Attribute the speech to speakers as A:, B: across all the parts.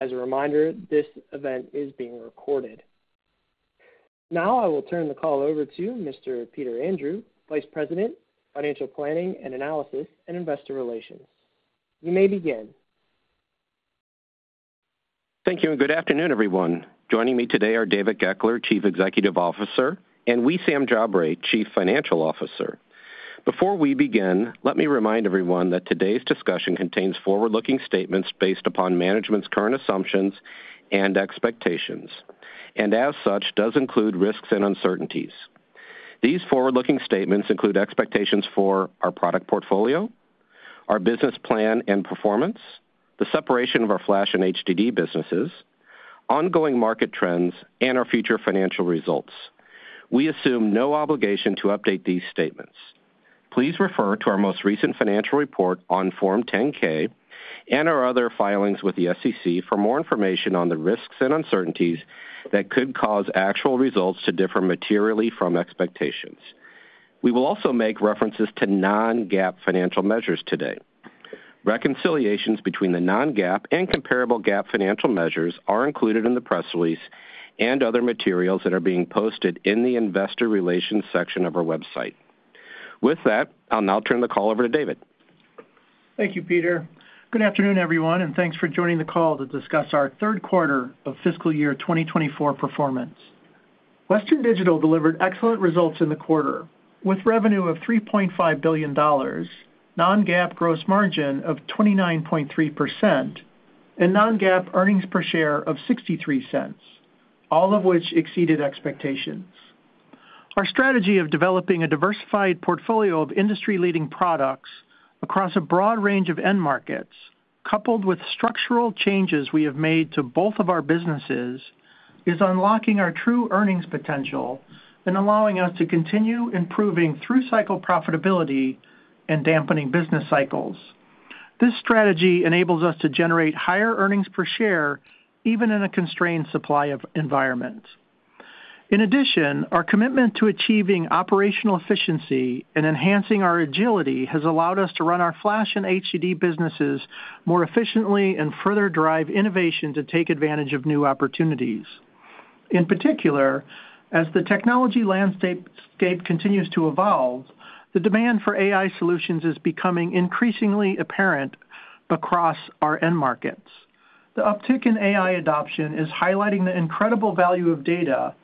A: As a reminder, this event is being recorded. Now, I will turn the call over to Mr. Peter Andrew, Vice President, Financial Planning and Analysis and Investor Relations. You may begin.
B: Thank you, and good afternoon, everyone. Joining me today are David Goeckeler, Chief Executive Officer, and Wissam Jabre, Chief Financial Officer. Before we begin, let me remind everyone that today's discussion contains forward-looking statements based upon management's current assumptions and expectations, and as such, does include risks and uncertainties. These forward-looking statements include expectations for our product portfolio, our business plan and performance, the separation of our flash and HDD businesses, ongoing market trends, and our future financial results. We assume no obligation to update these statements. Please refer to our most recent financial report on Form 10-K and our other filings with the SEC for more information on the risks and uncertainties that could cause actual results to differ materially from expectations. We will also make references to non-GAAP financial measures today. Reconciliations between the non-GAAP and comparable GAAP financial measures are included in the press release and other materials that are being posted in the investor relations section of our website. With that, I'll now turn the call over to David.
C: Thank you, Peter. Good afternoon, everyone, and thanks for joining the call to discuss our third quarter of fiscal year 2024 performance. Western Digital delivered excellent results in the quarter, with revenue of $3.5 billion, non-GAAP gross margin of 29.3%, and non-GAAP earnings per share of $0.63, all of which exceeded expectations. Our strategy of developing a diversified portfolio of industry-leading products across a broad range of end markets, coupled with structural changes we have made to both of our businesses, is unlocking our true earnings potential and allowing us to continue improving through cycle profitability and dampening business cycles. This strategy enables us to generate higher earnings per share, even in a constrained supply of environment. In addition, our commitment to achieving operational efficiency and enhancing our agility has allowed us to run our flash and HDD businesses more efficiently and further drive innovation to take advantage of new opportunities. In particular, as the technology landscape continues to evolve, the demand for AI solutions is becoming increasingly apparent across our end markets. The uptick in AI adoption is highlighting the incredible value of data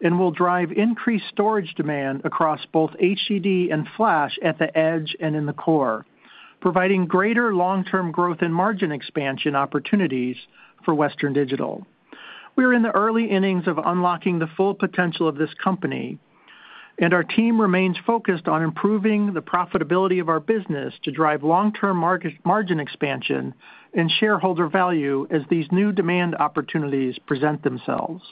C: and will drive increased storage demand across both HDD and flash at the edge and in the core, providing greater long-term growth and margin expansion opportunities for Western Digital. We are in the early innings of unlocking the full potential of this company, and our team remains focused on improving the profitability of our business to drive long-term margin expansion and shareholder value as these new demand opportunities present themselves.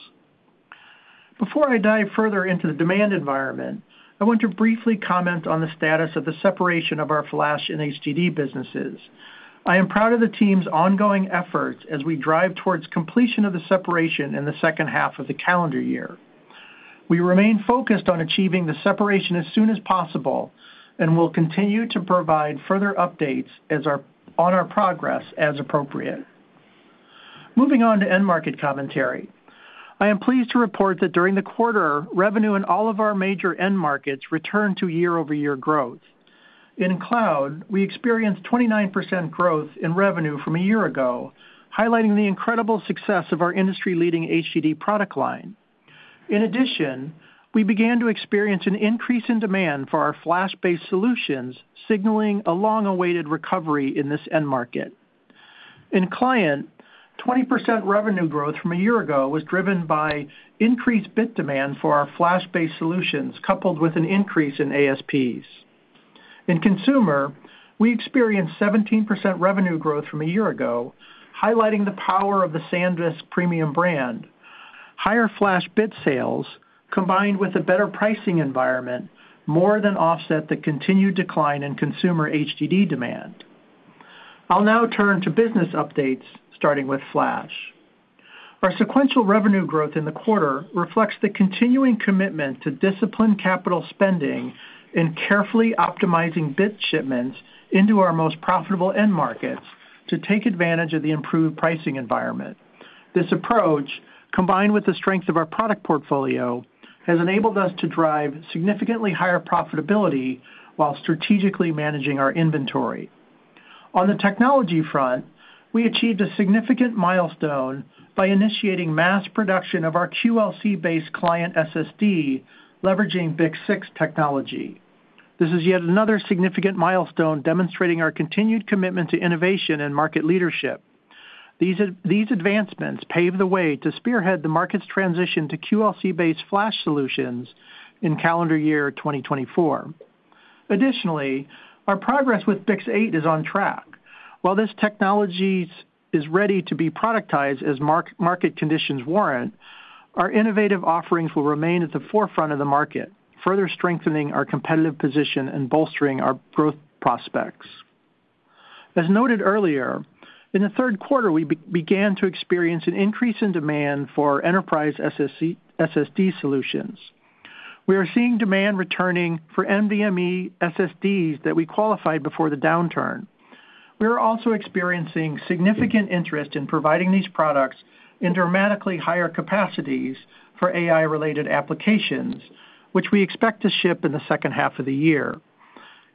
C: Before I dive further into the demand environment, I want to briefly comment on the status of the separation of our flash and HDD businesses. I am proud of the team's ongoing efforts as we drive towards completion of the separation in the second half of the calendar year. We remain focused on achieving the separation as soon as possible, and we'll continue to provide further updates on our progress as appropriate. Moving on to end market commentary. I am pleased to report that during the quarter, revenue in all of our major end markets returned to year-over-year growth. In cloud, we experienced 29% growth in revenue from a year ago, highlighting the incredible success of our industry-leading HDD product line. In addition, we began to experience an increase in demand for our flash-based solutions, signaling a long-awaited recovery in this end market. In client, 20% revenue growth from a year ago was driven by increased bit demand for our flash-based solutions, coupled with an increase in ASPs. In consumer, we experienced 17% revenue growth from a year ago, highlighting the power of the SanDisk premium brand. Higher flash bit sales, combined with a better pricing environment, more than offset the continued decline in consumer HDD demand. I'll now turn to business updates, starting with flash. Our sequential revenue growth in the quarter reflects the continuing commitment to disciplined capital spending and carefully optimizing bit shipments into our most profitable end markets to take advantage of the improved pricing environment. This approach, combined with the strength of our product portfolio, has enabled us to drive significantly higher profitability while strategically managing our inventory. On the technology front, we achieved a significant milestone by initiating mass production of our QLC-based client SSD, leveraging BiCS6 technology. This is yet another significant milestone demonstrating our continued commitment to innovation and market leadership. These advancements pave the way to spearhead the market's transition to QLC-based flash solutions in calendar year 2024. Additionally, our progress with BiCS8 is on track. While this technology is ready to be productized as market conditions warrant, our innovative offerings will remain at the forefront of the market, further strengthening our competitive position and bolstering our growth prospects. As noted earlier, in the third quarter, we began to experience an increase in demand for enterprise SSD solutions. We are seeing demand returning for NVMe SSDs that we qualified before the downturn. We are also experiencing significant interest in providing these products in dramatically higher capacities for AI-related applications, which we expect to ship in the second half of the year.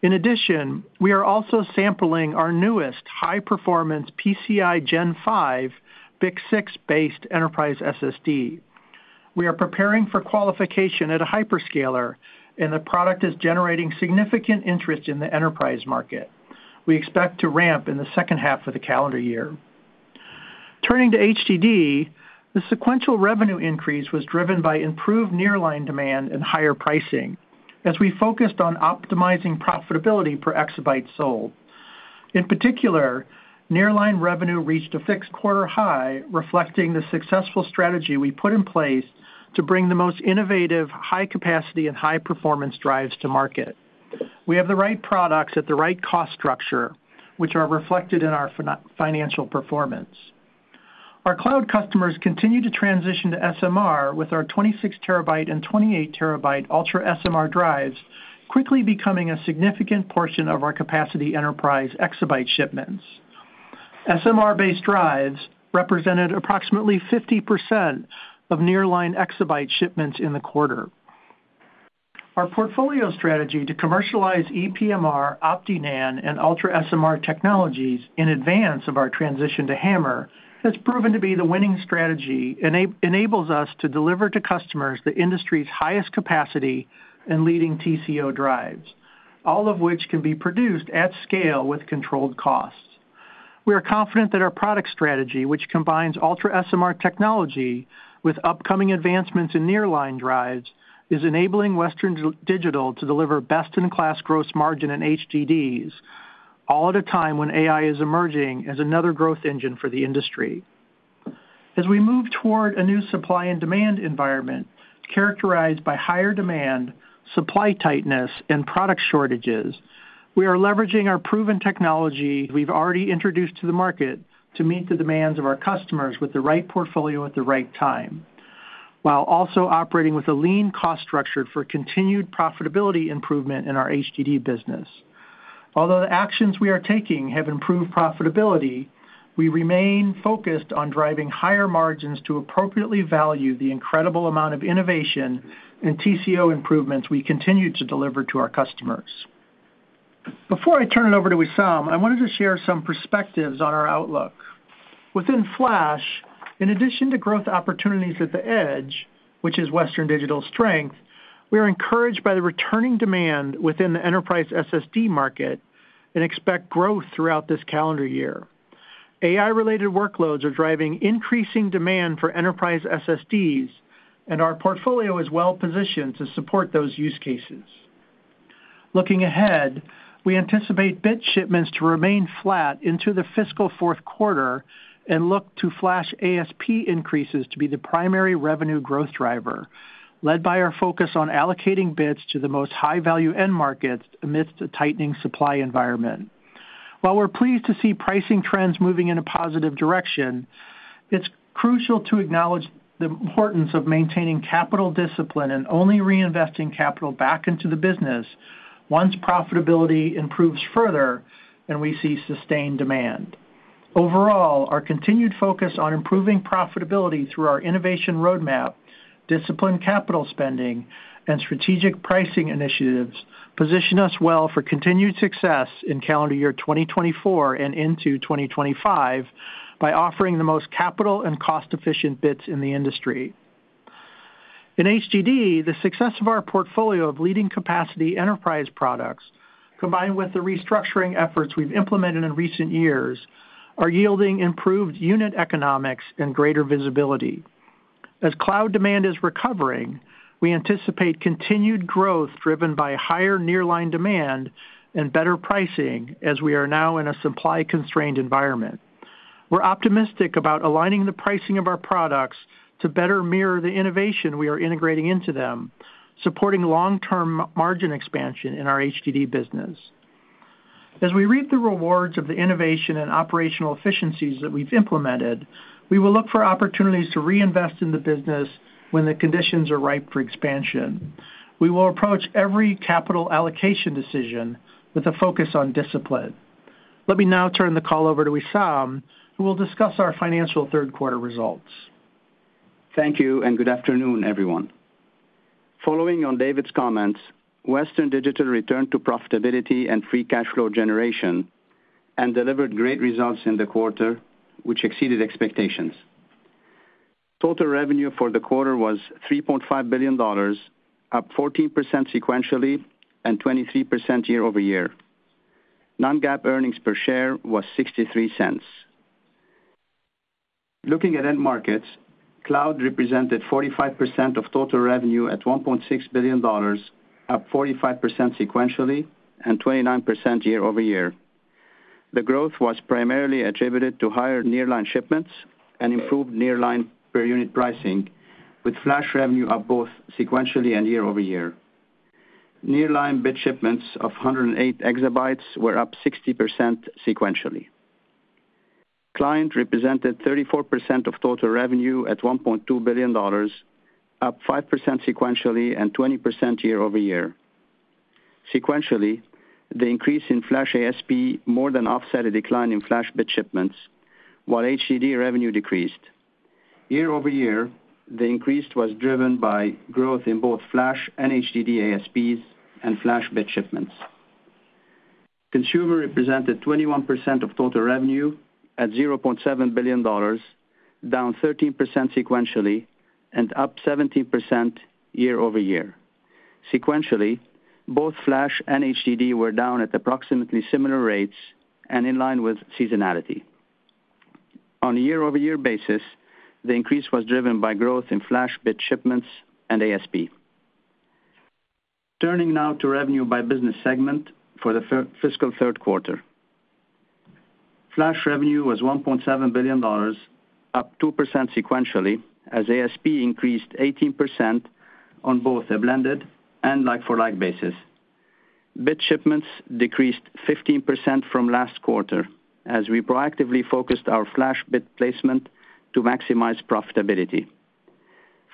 C: In addition, we are also sampling our newest high-performance PCIe Gen 5, BiCS6-based enterprise SSD. We are preparing for qualification at a hyperscaler, and the product is generating significant interest in the enterprise market. We expect to ramp in the second half of the calendar year. Turning to HDD, the sequential revenue increase was driven by improved nearline demand and higher pricing, as we focused on optimizing profitability per exabyte sold. In particular, nearline revenue reached a fifth quarter high, reflecting the successful strategy we put in place to bring the most innovative, high capacity, and high-performance drives to market. We have the right products at the right cost structure, which are reflected in our financial performance. Our cloud customers continue to transition to SMR, with our 26 TB and 28 TB UltraSMR drives quickly becoming a significant portion of our capacity enterprise exabyte shipments. SMR-based drives represented approximately 50% of nearline exabyte shipments in the quarter. Our portfolio strategy to commercialize ePMR, OptiNAND, and UltraSMR technologies in advance of our transition to HAMR, enables us to deliver to customers the industry's highest capacity and leading TCO drives, all of which can be produced at scale with controlled costs. We are confident that our product strategy, which combines UltraSMR technology with upcoming advancements in nearline drives, is enabling Western Digital to deliver best-in-class gross margin and HDDs, all at a time when AI is emerging as another growth engine for the industry. As we move toward a new supply and demand environment, characterized by higher demand, supply tightness, and product shortages, we are leveraging our proven technology we've already introduced to the market to meet the demands of our customers with the right portfolio at the right time, while also operating with a lean cost structure for continued profitability improvement in our HDD business. Although the actions we are taking have improved profitability, we remain focused on driving higher margins to appropriately value the incredible amount of innovation and TCO improvements we continue to deliver to our customers. Before I turn it over to Wissam, I wanted to share some perspectives on our outlook. Within Flash, in addition to growth opportunities at the edge, which is Western Digital's strength, we are encouraged by the returning demand within the Enterprise SSD market and expect growth throughout this calendar year. AI-related workloads are driving increasing demand for enterprise SSDs, and our portfolio is well positioned to support those use cases. Looking ahead, we anticipate bit shipments to remain flat into the fiscal fourth quarter and look to flash ASP increases to be the primary revenue growth driver, led by our focus on allocating bits to the most high-value end markets amidst a tightening supply environment. While we're pleased to see pricing trends moving in a positive direction, it's crucial to acknowledge the importance of maintaining capital discipline and only reinvesting capital back into the business once profitability improves further and we see sustained demand. Overall, our continued focus on improving profitability through our innovation roadmap, disciplined capital spending, and strategic pricing initiatives, position us well for continued success in calendar year 2024 and into 2025, by offering the most capital and cost-efficient bits in the industry. In HDD, the success of our portfolio of leading capacity enterprise products, combined with the restructuring efforts we've implemented in recent years, are yielding improved unit economics and greater visibility. As cloud demand is recovering, we anticipate continued growth driven by higher nearline demand and better pricing, as we are now in a supply-constrained environment. We're optimistic about aligning the pricing of our products to better mirror the innovation we are integrating into them, supporting long-term margin expansion in our HDD business. As we reap the rewards of the innovation and operational efficiencies that we've implemented, we will look for opportunities to reinvest in the business when the conditions are ripe for expansion. We will approach every capital allocation decision with a focus on discipline. Let me now turn the call over to Wissam, who will discuss our financial third quarter results.
D: Thank you, and good afternoon, everyone. Following on David's comments, Western Digital returned to profitability and free cash flow generation, and delivered great results in the quarter, which exceeded expectations. Total revenue for the quarter was $3.5 billion, up 14% sequentially and 23% year-over-year. Non-GAAP earnings per share was $0.63. Looking at end markets, cloud represented 45% of total revenue at $1.6 billion, up 45% sequentially and 29% year-over-year. The growth was primarily attributed to higher nearline shipments and improved nearline per unit pricing, with flash revenue up both sequentially and year-over-year. Nearline bit shipments of 108 EB were up 60% sequentially.... Client represented 34% of total revenue at $1.2 billion, up 5% sequentially and 20% year-over-year. Sequentially, the increase in flash ASP more than offset a decline in flash bit shipments, while HDD revenue decreased. Year-over-year, the increase was driven by growth in both flash and HDD ASPs and flash bit shipments. Consumer represented 21% of total revenue at $0.7 billion, down 13% sequentially, and up 17% year-over-year. Sequentially, both flash and HDD were down at approximately similar rates and in line with seasonality. On a year-over-year basis, the increase was driven by growth in flash bit shipments and ASP. Turning now to revenue by business segment for the fiscal third quarter. Flash revenue was $1.7 billion, up 2% sequentially, as ASP increased 18% on both a blended and like-for-like basis. Bit shipments decreased 15% from last quarter, as we proactively focused our flash bit placement to maximize profitability.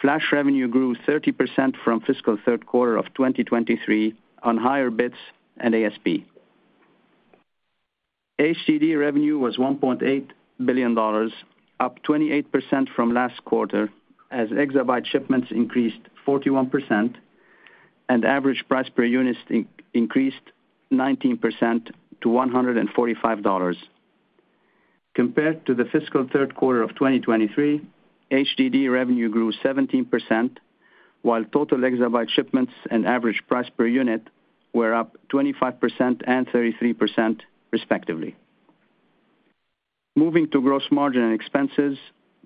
D: Flash revenue grew 30% from fiscal third quarter of 2023 on higher bits and ASP. HDD revenue was $1.8 billion, up 28% from last quarter, as exabyte shipments increased 41% and average price per unit increased 19% to $145. Compared to the fiscal third quarter of 2023, HDD revenue grew 17%, while total exabyte shipments and average price per unit were up 25% and 33%, respectively. Moving to gross margin and expenses,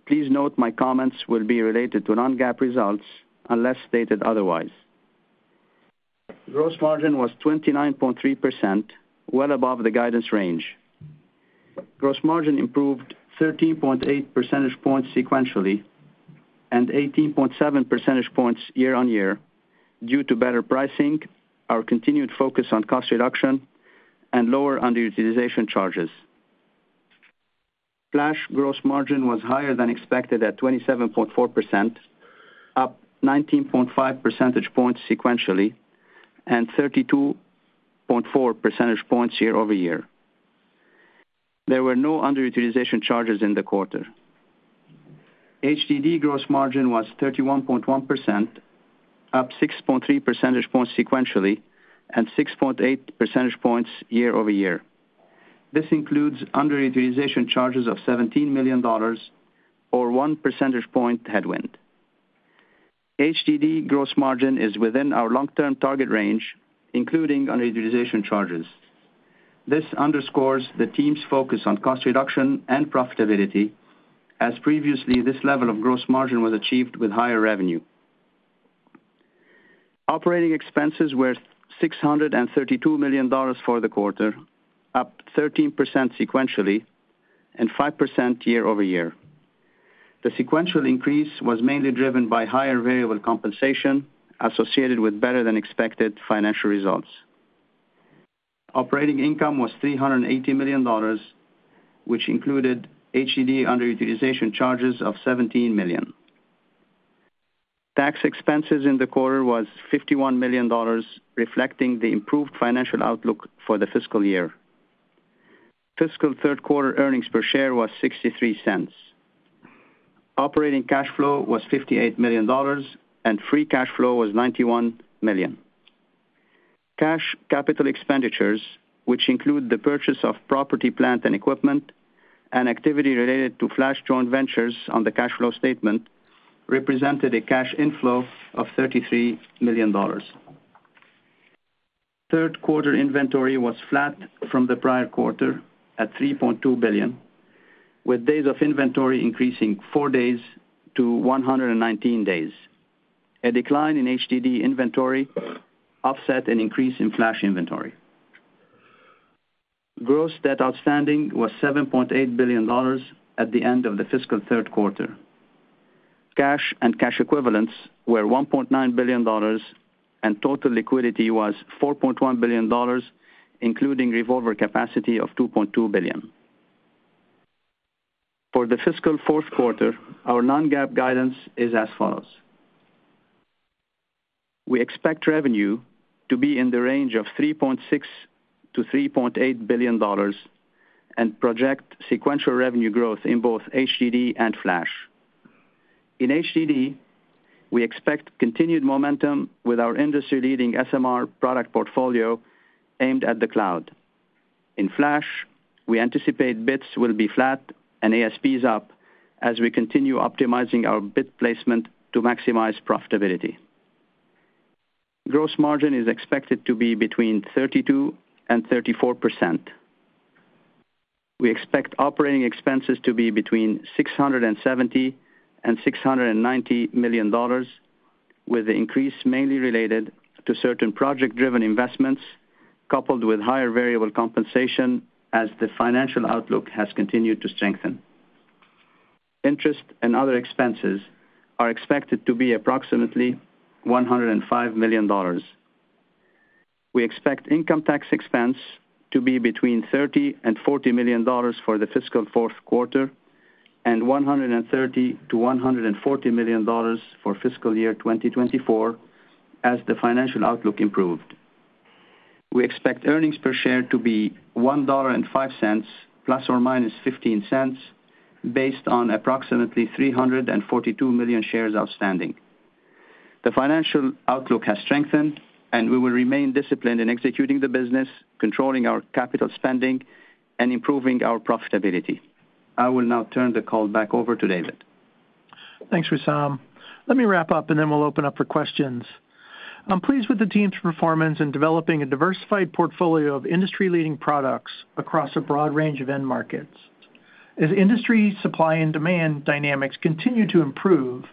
D: please note my comments will be related to non-GAAP results, unless stated otherwise. Gross margin was 29.3%, well above the guidance range. Gross margin improved 13.8 percentage points sequentially and 18.7 percentage points year-on-year due to better pricing, our continued focus on cost reduction, and lower underutilization charges. Flash gross margin was higher than expected at 27.4%, up 19.5 percentage points sequentially, and 32.4 percentage points year-over-year. There were no underutilization charges in the quarter. HDD gross margin was 31.1%, up 6.3 percentage points sequentially, and 6.8 percentage points year-over-year. This includes underutilization charges of $17 million or 1 percentage point headwind. HDD gross margin is within our long-term target range, including underutilization charges. This underscores the team's focus on cost reduction and profitability, as previously, this level of gross margin was achieved with higher revenue. Operating expenses were $632 million for the quarter, up 13% sequentially and 5% year-over-year. The sequential increase was mainly driven by higher variable compensation associated with better than expected financial results. Operating income was $380 million, which included HDD underutilization charges of $17 million. Tax expenses in the quarter was $51 million, reflecting the improved financial outlook for the fiscal year. Fiscal third quarter earnings per share was $0.63. Operating cash flow was $58 million, and free cash flow was $91 million. Cash capital expenditures, which include the purchase of property, plant, and equipment and activity related to flash joint ventures on the cash flow statement, represented a cash inflow of $33 million. Third quarter inventory was flat from the prior quarter at $3.2 billion, with days of inventory increasing four days to 119 days. A decline in HDD inventory offset an increase in flash inventory. Gross debt outstanding was $7.8 billion at the end of the fiscal third quarter. Cash and cash equivalents were $1.9 billion, and total liquidity was $4.1 billion, including revolver capacity of $2.2 billion. For the fiscal fourth quarter, our non-GAAP guidance is as follows: We expect revenue to be in the range of $3.6 billion-$3.8 billion and project sequential revenue growth in both HDD and flash. In HDD, we expect continued momentum with our industry-leading SMR product portfolio aimed at the cloud. In flash, we anticipate bits will be flat and ASPs up as we continue optimizing our bit placement to maximize profitability. Gross margin is expected to be between 32%-34%. We expect operating expenses to be between $670 million and $690 million, with the increase mainly related to certain project-driven investments, coupled with higher variable compensation as the financial outlook has continued to strengthen. Interest and other expenses are expected to be approximately $105 million. We expect income tax expense to be between $30 million and $40 million for the fiscal fourth quarter and $130 million-$140 million for fiscal year 2024, as the financial outlook improved. We expect earnings per share to be $1.05 ± $0.15, based on approximately 342 million shares outstanding. The financial outlook has strengthened, and we will remain disciplined in executing the business, controlling our capital spending, and improving our profitability. I will now turn the call back over to David.
C: Thanks, Wissam. Let me wrap up, and then we'll open up for questions. I'm pleased with the team's performance in developing a diversified portfolio of industry-leading products across a broad range of end markets. As industry supply and demand dynamics continue to improve,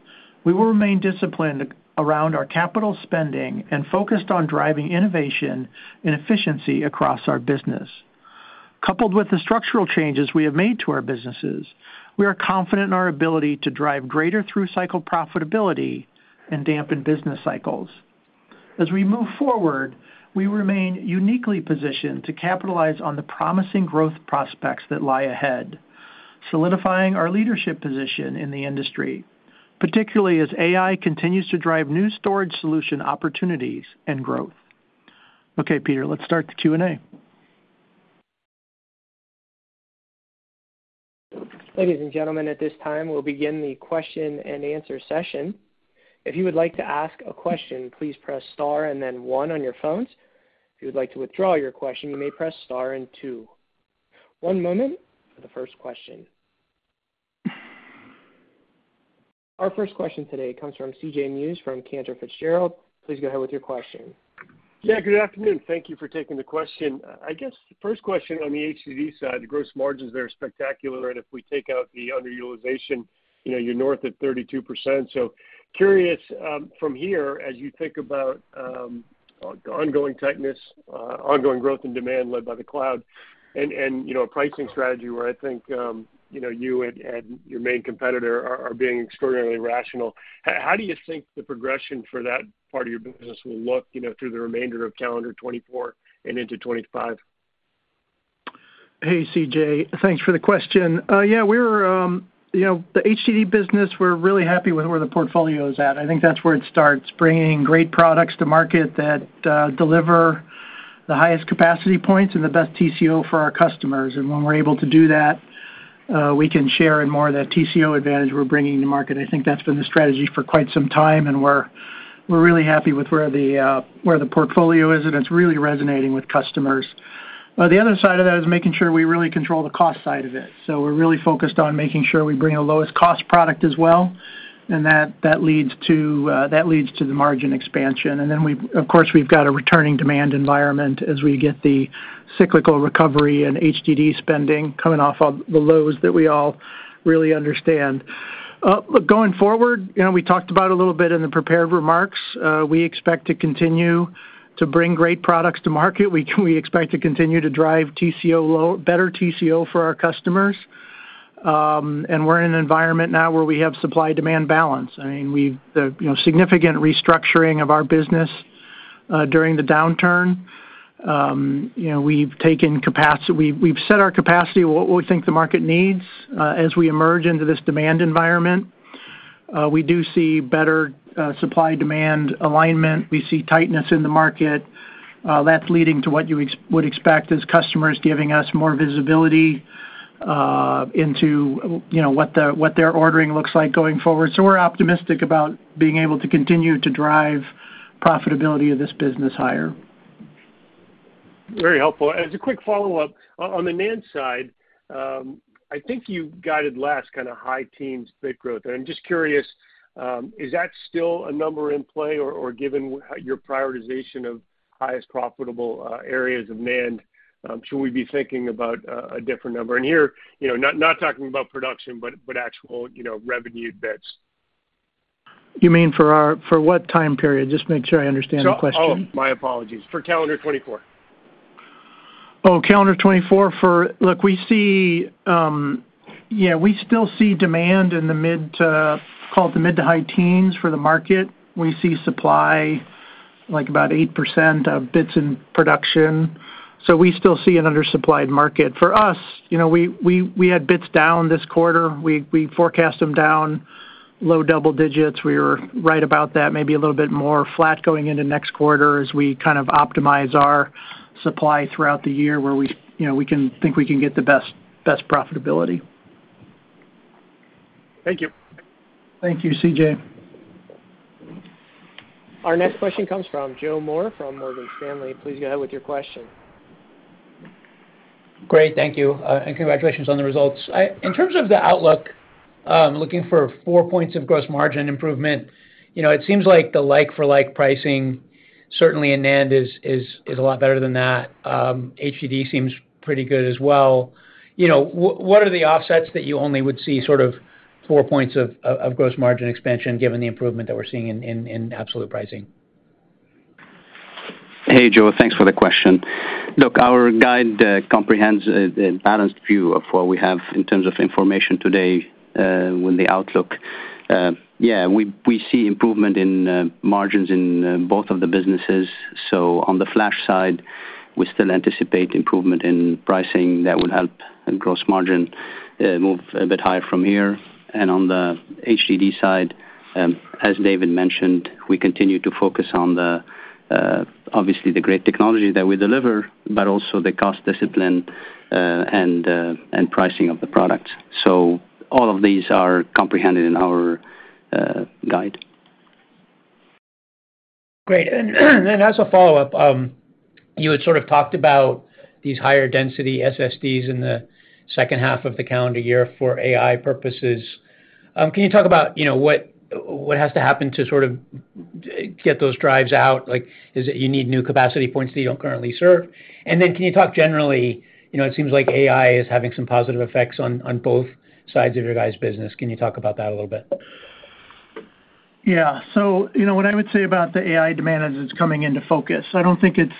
C: we will remain disciplined around our capital spending and focused on driving innovation and efficiency across our business. Coupled with the structural changes we have made to our businesses, we are confident in our ability to drive greater through-cycle profitability and dampen business cycles. As we move forward, we remain uniquely positioned to capitalize on the promising growth prospects that lie ahead, solidifying our leadership position in the industry, particularly as AI continues to drive new storage solution opportunities and growth. Okay, Peter, let's start the Q&A.
A: Ladies and gentlemen, at this time, we'll begin the question and answer session. If you would like to ask a question, please press Star and then one on your phones. If you would like to withdraw your question, you may press Star and two. One moment for the first question. Our first question today comes from C.J. Muse from Cantor Fitzgerald. Please go ahead with your question.
E: Yeah, good afternoon. Thank you for taking the question. I guess the first question on the HDD side, the gross margins are spectacular, and if we take out the underutilization, you know, you're north of 32%. So curious, from here, as you think about, ongoing tightness, ongoing growth and demand led by the cloud, and, and, you know, a pricing strategy where I think, you know, you and, and your main competitor are, are being extraordinarily rational, how do you think the progression for that part of your business will look, you know, through the remainder of calendar 2024 and into 2025?
C: Hey, C.J., thanks for the question. Yeah, we're, you know, the HDD business, we're really happy with where the portfolio is at. I think that's where it starts, bringing great products to market that deliver the highest capacity points and the best TCO for our customers. And when we're able to do that, we can share in more of that TCO advantage we're bringing to market. I think that's been the strategy for quite some time, and we're really happy with where the portfolio is, and it's really resonating with customers. The other side of that is making sure we really control the cost side of it. So we're really focused on making sure we bring a lowest cost product as well, and that leads to the margin expansion. Of course, we've got a returning demand environment as we get the cyclical recovery and HDD spending coming off of the lows that we all really understand. Going forward, you know, we talked about a little bit in the prepared remarks, we expect to continue to bring great products to market. We expect to continue to drive TCO better TCO for our customers. And we're in an environment now where we have supply-demand balance. I mean, we've you know, significant restructuring of our business during the downturn, you know, we've set our capacity what we think the market needs as we emerge into this demand environment. We do see better supply-demand alignment. We see tightness in the market. That's leading to what you would expect as customers giving us more visibility into, you know, what the, what their ordering looks like going forward. So we're optimistic about being able to continue to drive profitability of this business higher.
E: Very helpful. As a quick follow-up, on the NAND side, I think you guided last kind of high teens bit growth. I'm just curious, is that still a number in play, or, or given your prioritization of highest profitable areas of NAND, should we be thinking about a different number? And here, you know, not talking about production, but actual, you know, revenued bits.
C: You mean for what time period? Just make sure I understand the question.
E: Oh, my apologies. For calendar 2024.
C: Oh, calendar 2024. Look, we see, yeah, we still see demand in the mid- to high teens for the market. We see supply, like, about 8% of bits in production, so we still see an undersupplied market. For us, you know, we had bits down this quarter. We forecast them down low double digits. We were right about that, maybe a little bit more flat going into next quarter as we kind of optimize our supply throughout the year, where we, you know, we can think we can get the best profitability.
E: Thank you.
C: Thank you, CJ.
A: Our next question comes from Joe Moore from Morgan Stanley. Please go ahead with your question.
F: Great, thank you, and congratulations on the results. In terms of the outlook, looking for 4 points of gross margin improvement, you know, it seems like the like for like pricing, certainly in NAND, is a lot better than that. HDD seems pretty good as well. You know, what are the offsets that you only would see sort of 4 points of gross margin expansion, given the improvement that we're seeing in absolute pricing?...
D: Hey, Joe, thanks for the question. Look, our guide comprehends a balanced view of what we have in terms of information today with the outlook. Yeah, we see improvement in margins in both of the businesses. So on the flash side, we still anticipate improvement in pricing that would help in gross margin move a bit higher from here. And on the HDD side, as David mentioned, we continue to focus on the obviously the great technology that we deliver, but also the cost discipline and pricing of the products. So all of these are comprehended in our guide.
F: Great. As a follow-up, you had sort of talked about these higher density SSDs in the second half of the calendar year for AI purposes. Can you talk about, you know, what has to happen to sort of get those drives out? Like, is it you need new capacity points that you don't currently serve? And then can you talk generally, you know, it seems like AI is having some positive effects on both sides of your guys' business. Can you talk about that a little bit?
C: Yeah. So you know, what I would say about the AI demand is it's coming into focus. I don't think it's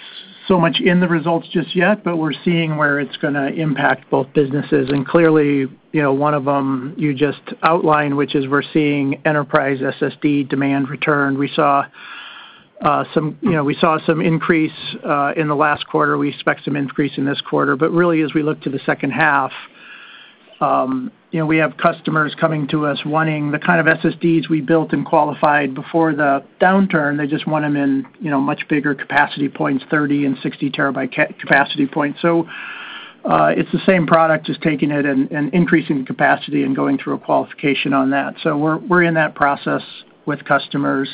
C: so much in the results just yet, but we're seeing where it's gonna impact both businesses. And clearly, you know, one of them, you just outlined, which is we're seeing enterprise SSD demand return. We saw some, you know, we saw some increase in the last quarter. We expect some increase in this quarter. But really, as we look to the second half, you know, we have customers coming to us wanting the kind of SSDs we built and qualified before the downturn. They just want them in, you know, much bigger capacity points, 30-TB and 60-TB capacity points. So, it's the same product, just taking it and increasing the capacity and going through a qualification on that. So we're in that process with customers.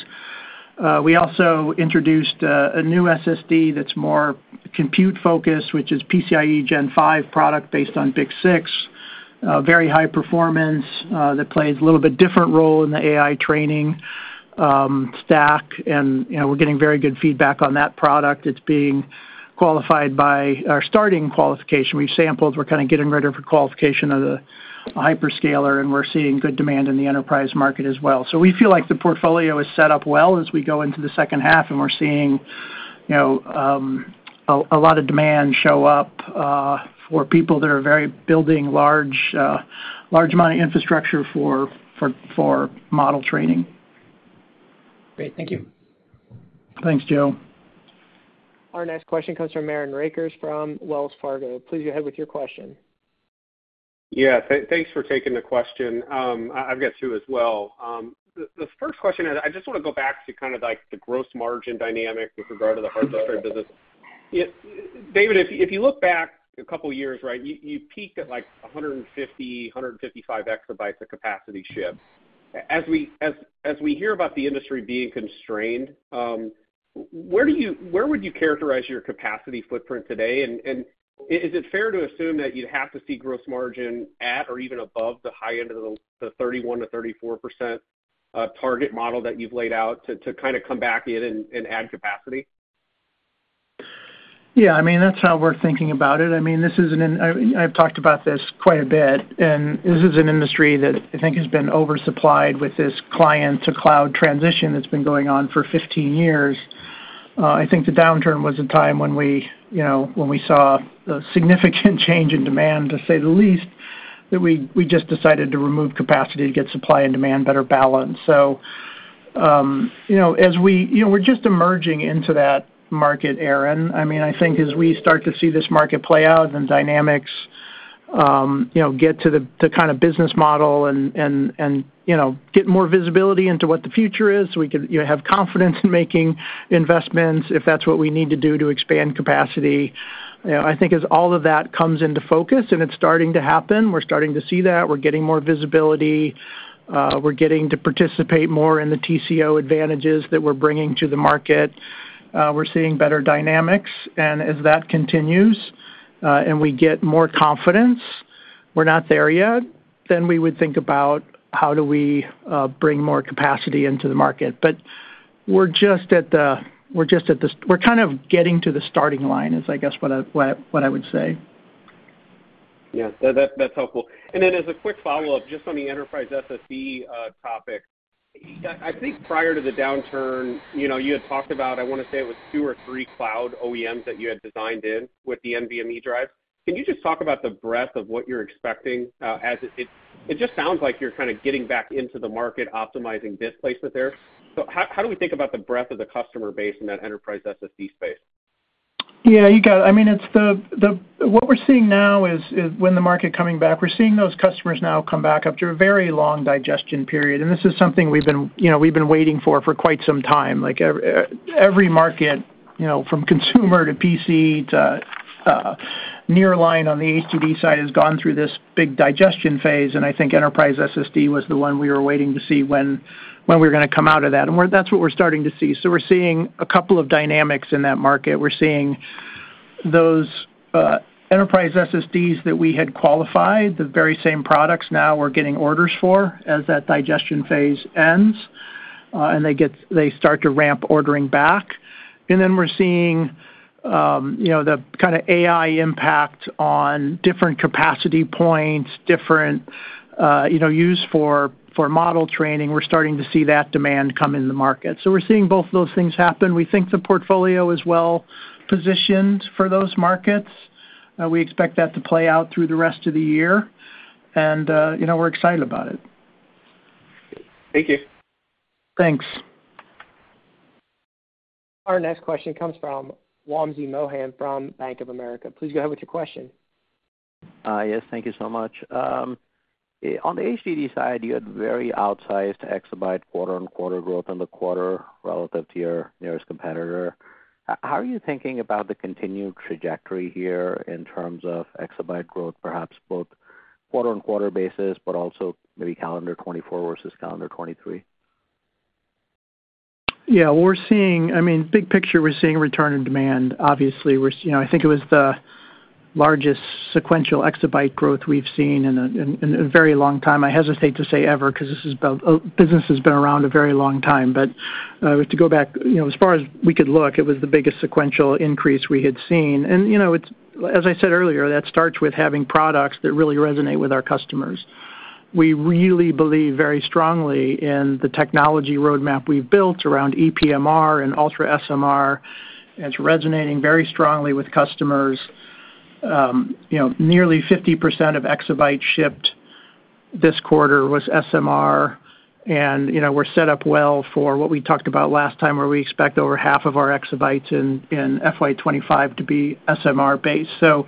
C: We also introduced a new SSD that's more compute focused, which is PCIe Gen 5 product based on BiCS6. Very high performance, that plays a little bit different role in the AI training stack. And, you know, we're getting very good feedback on that product. It's being qualified by our starting qualification. We've sampled, we're kind of getting ready for qualification of the hyperscaler, and we're seeing good demand in the enterprise market as well. So we feel like the portfolio is set up well as we go into the second half, and we're seeing, you know, a lot of demand show up for people that are very building large amount of infrastructure for model training.
F: Great. Thank you.
C: Thanks, Joe.
A: Our next question comes from Aaron Rakers from Wells Fargo. Please go ahead with your question.
G: Yeah, thanks for taking the question. I've got two as well. The first question is, I just wanna go back to kind of, like, the gross margin dynamic with regard to the hard drive business. Yeah, David, if you look back a couple of years, right, you peaked at, like, 155 EB of capacity ships. As we hear about the industry being constrained, where would you characterize your capacity footprint today? And is it fair to assume that you'd have to see gross margin at or even above the high end of the 31%-34% target model that you've laid out to come back in and add capacity?
C: Yeah, I mean, that's how we're thinking about it. I mean, I've talked about this quite a bit, and this is an industry that I think has been oversupplied with this client-to-cloud transition that's been going on for 15 years. I think the downturn was a time when we, you know, when we saw a significant change in demand, to say the least, that we, we just decided to remove capacity to get supply and demand better balanced. So, you know, as we, you know, we're just emerging into that market, Aaron. I mean, I think as we start to see this market play out and dynamics, you know, get to the kind of business model and, you know, get more visibility into what the future is, we can, you know, have confidence in making investments, if that's what we need to do to expand capacity. I think as all of that comes into focus, and it's starting to happen, we're starting to see that. We're getting more visibility, we're getting to participate more in the TCO advantages that we're bringing to the market. We're seeing better dynamics, and as that continues, and we get more confidence, we're not there yet, then we would think about how do we bring more capacity into the market. But we're just at the-- we're just at the... We're kind of getting to the starting line, is, I guess, what I would say.
G: Yeah, that, that's helpful. And then as a quick follow-up, just on the enterprise SSD topic. I think prior to the downturn, you know, you had talked about, I wanna say it was two or three cloud OEMs that you had designed in with the NVMe drive. Can you just talk about the breadth of what you're expecting, as it... It just sounds like you're kind of getting back into the market, optimizing this place there. So how do we think about the breadth of the customer base in that enterprise SSD space?
C: Yeah, you got it. I mean, it's the what we're seeing now is when the market coming back, we're seeing those customers now come back after a very long digestion period. And this is something we've been, you know, we've been waiting for, for quite some time. Like, every market, you know, from consumer to PC to nearline on the HDD side, has gone through this big digestion phase, and I think enterprise SSD was the one we were waiting to see when we were gonna come out of that. And that's what we're starting to see. So we're seeing a couple of dynamics in that market. We're seeing those enterprise SSDs that we had qualified, the very same products now we're getting orders for, as that digestion phase ends, and they start to ramp ordering back. And then we're seeing you know, the kind of AI impact on different capacity points, different, you know, use for model training, we're starting to see that demand come in the market. So we're seeing both of those things happen. We think the portfolio is well-positioned for those markets, we expect that to play out through the rest of the year, and, you know, we're excited about it.
G: Thank you.
C: Thanks.
A: Our next question comes from Wamsi Mohan from Bank of America. Please go ahead with your question.
H: Yes, thank you so much. On the HDD side, you had very outsized exabyte quarter-on-quarter growth in the quarter relative to your nearest competitor. How are you thinking about the continued trajectory here in terms of exabyte growth, perhaps both quarter-on-quarter basis, but also maybe calendar 2024 versus calendar 2023?
C: Yeah, we're seeing, I mean, big picture, we're seeing a return in demand. Obviously, we're. You know, I think it was the largest sequential exabyte growth we've seen in a very long time. I hesitate to say ever, because this is about business has been around a very long time. But, to go back, you know, as far as we could look, it was the biggest sequential increase we had seen. And, you know, it's. As I said earlier, that starts with having products that really resonate with our customers. We really believe very strongly in the technology roadmap we've built around ePMR and UltraSMR, and it's resonating very strongly with customers. You know, nearly 50% of exabyte shipped this quarter was SMR, and, you know, we're set up well for what we talked about last time, where we expect over half of our exabytes in FY 2025 to be SMR-based. So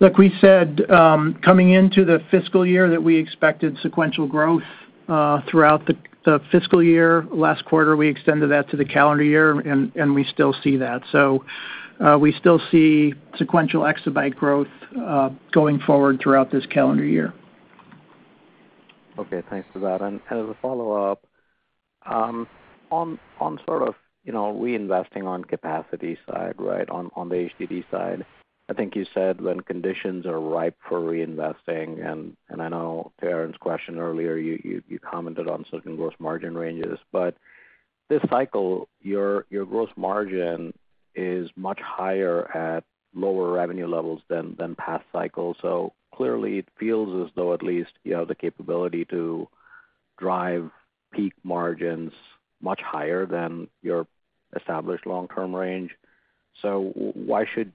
C: like we said, coming into the fiscal year, that we expected sequential growth throughout the fiscal year. Last quarter, we extended that to the calendar year, and we still see that. So, we still see sequential exabyte growth going forward throughout this calendar year.
H: Okay, thanks for that. And as a follow-up, on sort of, you know, reinvesting on capacity side, right? On the HDD side, I think you said when conditions are ripe for reinvesting, and I know to Aaron's question earlier, you commented on certain gross margin ranges. But this cycle, your gross margin is much higher at lower revenue levels than past cycles. So clearly, it feels as though at least you have the capability to drive peak margins much higher than your established long-term range. So why should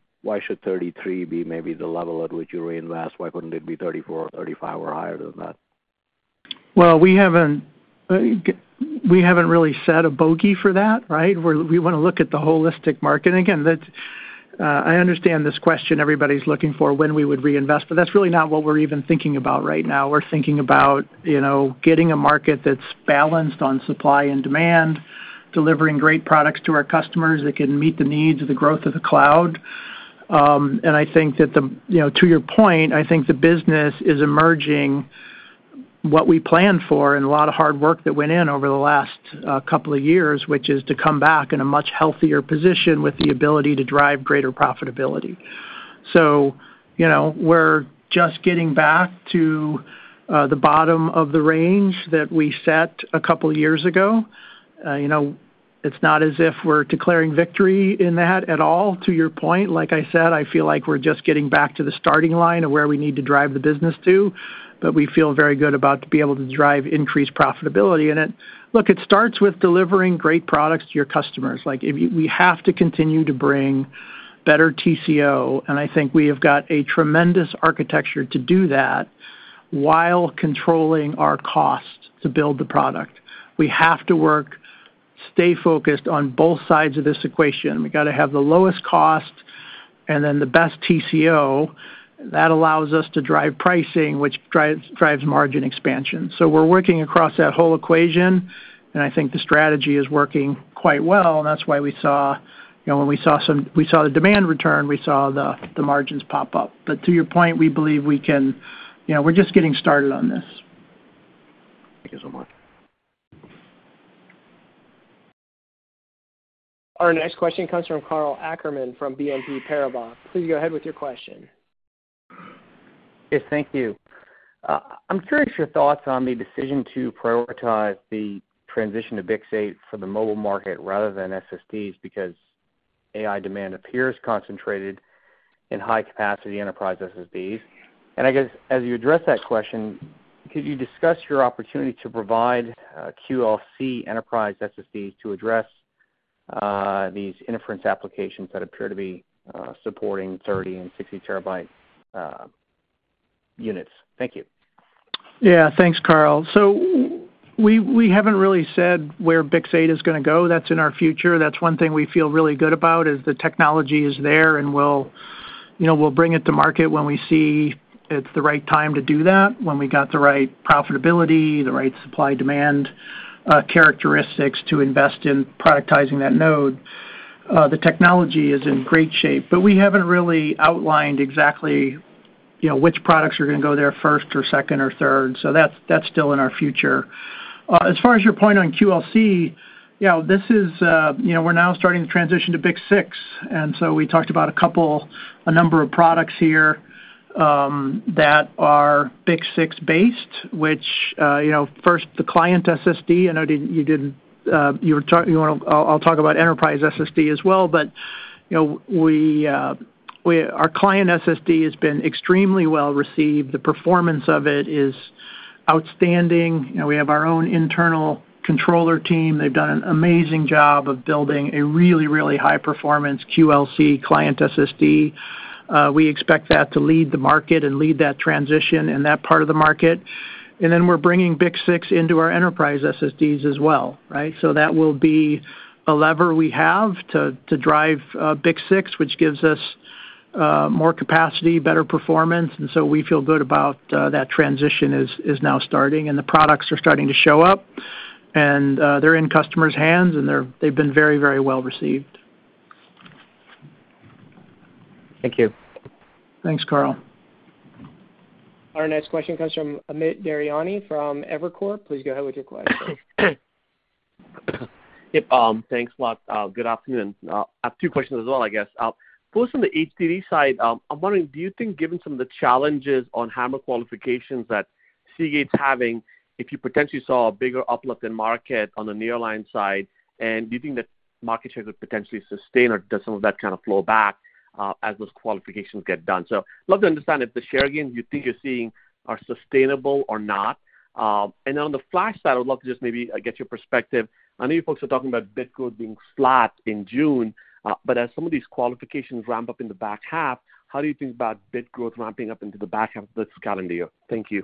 H: 33 be maybe the level at which you reinvest? Why wouldn't it be 34 or 35 or higher than that?
C: Well, we haven't really set a bogey for that, right? We want to look at the holistic market. And again, that's. I understand this question. Everybody's looking for when we would reinvest, but that's really not what we're even thinking about right now. We're thinking about, you know, getting a market that's balanced on supply and demand, delivering great products to our customers that can meet the needs of the growth of the cloud. And I think that the. You know, to your point, I think the business is emerging what we planned for and a lot of hard work that went in over the last couple of years, which is to come back in a much healthier position with the ability to drive greater profitability. So, you know, we're just getting back to the bottom of the range that we set a couple of years ago. You know, it's not as if we're declaring victory in that at all. To your point, like I said, I feel like we're just getting back to the starting line of where we need to drive the business to, but we feel very good about to be able to drive increased profitability in it. Look, it starts with delivering great products to your customers. Like, we have to continue to bring better TCO, and I think we have got a tremendous architecture to do that while controlling our cost to build the product. We have to work, stay focused on both sides of this equation. We got to have the lowest cost and then the best TCO. That allows us to drive pricing, which drives margin expansion. So we're working across that whole equation, and I think the strategy is working quite well, and that's why we saw. You know, when we saw the demand return, we saw the margins pop up. But to your point, we believe we can. You know, we're just getting started on this.
H: Thank you so much.
A: Our next question comes from Karl Ackerman from BNP Paribas. Please go ahead with your question.
I: Yes, thank you. I'm curious your thoughts on the decision to prioritize the transition to BiCS8 for the mobile market rather than SSDs, because AI demand appears concentrated in high-capacity enterprise SSDs. And I guess, as you address that question, could you discuss your opportunity to provide QLC enterprise SSDs to address these inference applications that appear to be supporting 30-TB and 60-TB units? Thank you.
C: Yeah. Thanks, Karl. So we, we haven't really said where BiCS8 is gonna go. That's in our future. That's one thing we feel really good about, is the technology is there, and we'll, you know, we'll bring it to market when we see it's the right time to do that, when we got the right profitability, the right supply-demand characteristics to invest in productizing that node. The technology is in great shape, but we haven't really outlined exactly, you know, which products are gonna go there first or second or third, so that's, that's still in our future. As far as your point on QLC, you know, this is... You know, we're now starting to transition to BiCS6, and so we talked about a couple, a number of products here, that are BiCS6 based, which, you know, first, the client SSD, I know didn't-- you didn't, I'll talk about enterprise SSD as well. But you know, our client SSD has been extremely well received. The performance of it is outstanding. You know, we have our own internal controller team. They've done an amazing job of building a really, really high-performance QLC client SSD. We expect that to lead the market and lead that transition in that part of the market. And then we're bringing BiCS6 into our enterprise SSDs as well, right? So that will be a lever we have to drive BiCS6, which gives us more capacity, better performance, and so we feel good about that transition is now starting, and the products are starting to show up. And they're in customers' hands, and they've been very, very well received.
I: Thank you.
C: Thanks, Karl.
A: Our next question comes from Amit Daryanani from Evercore. Please go ahead with your question.
J: Yep, thanks a lot. Good afternoon. I have two questions as well, I guess. First, on the HDD side, I'm wondering, do you think, given some of the challenges on HAMR qualifications that Seagate's having, if you potentially saw a bigger uplift in market on the nearline side, and do you think the market share would potentially sustain, or does some of that kind of flow back, as those qualifications get done? So love to understand if the share gains you think you're seeing are sustainable or not. And on the flash side, I would love to just maybe, get your perspective. I know you folks are talking about bit growth being flat in June, but as some of these qualifications ramp up in the back half, how do you think about bit growth ramping up into the back half of this calendar year? Thank you.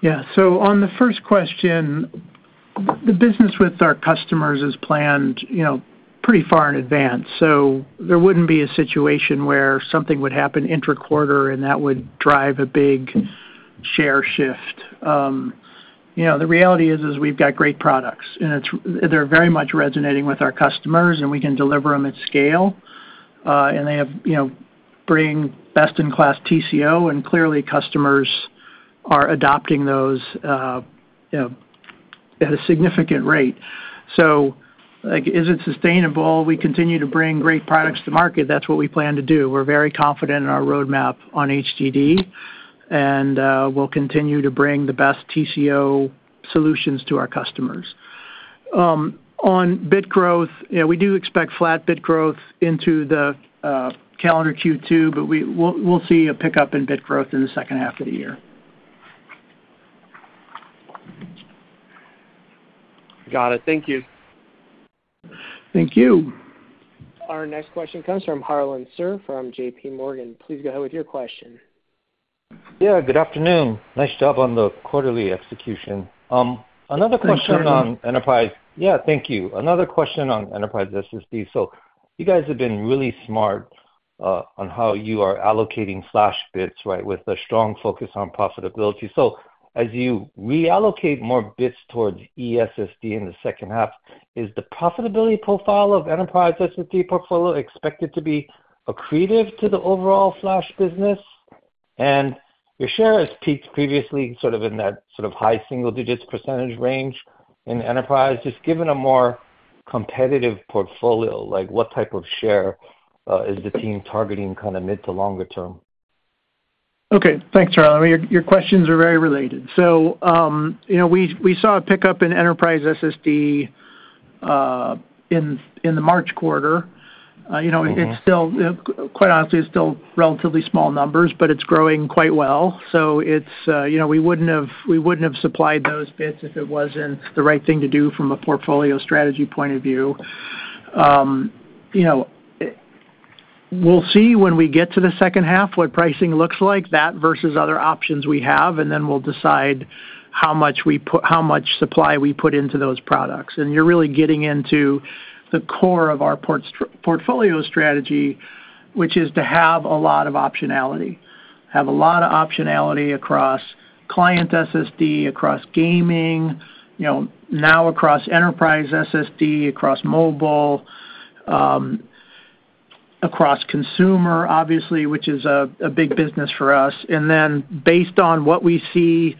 C: Yeah. So on the first question, the business with our customers is planned, you know, pretty far in advance. So there wouldn't be a situation where something would happen intra-quarter, and that would drive a big share shift. You know, the reality is we've got great products, and they're very much resonating with our customers, and we can deliver them at scale. And they have, you know, bring best-in-class TCO, and clearly, customers are adopting those, you know, at a significant rate. So, like, is it sustainable? We continue to bring great products to market. That's what we plan to do. We're very confident in our roadmap on HDD, and we'll continue to bring the best TCO solutions to our customers. On bit growth, yeah, we do expect flat bit growth into the calendar Q2, but we'll see a pickup in bit growth in the second half of the year.
J: Got it. Thank you.
C: Thank you.
A: Our next question comes from Harlan Sur from JPMorgan. Please go ahead with your question.
K: Yeah, good afternoon. Nice job on the quarterly execution. Another question-
C: Thanks, Harlan.
K: - on enterprise... Yeah, thank you. Another question on Enterprise SSD. So you guys have been really smart on how you are allocating flash bits, right, with a strong focus on profitability. So as you reallocate more bits towards ESSD in the second half, is the profitability profile of Enterprise SSD portfolio expected to be accretive to the overall flash business? And your share has peaked previously, sort of in that sort of high single digits % range in enterprise. Just given a more competitive portfolio, like, what type of share is the team targeting kind of mid- to longer-term?
C: Okay. Thanks, Harlan. Your questions are very related. So, you know, we saw a pickup in Enterprise SSD in the March quarter. You know-
K: Mm-hmm.
C: It's still, quite honestly, it's still relatively small numbers, but it's growing quite well. So it's. You know, we wouldn't have, we wouldn't have supplied those bits if it wasn't the right thing to do from a portfolio strategy point of view. You know, we'll see when we get to the second half, what pricing looks like, that versus other options we have, and then we'll decide how much supply we put into those products. You're really getting into the core of our portfolio strategy, which is to have a lot of optionality. Have a lot of optionality across client SSD, across gaming, you know, now across enterprise SSD, across mobile, across consumer, obviously, which is a big business for us. And then, based on what we see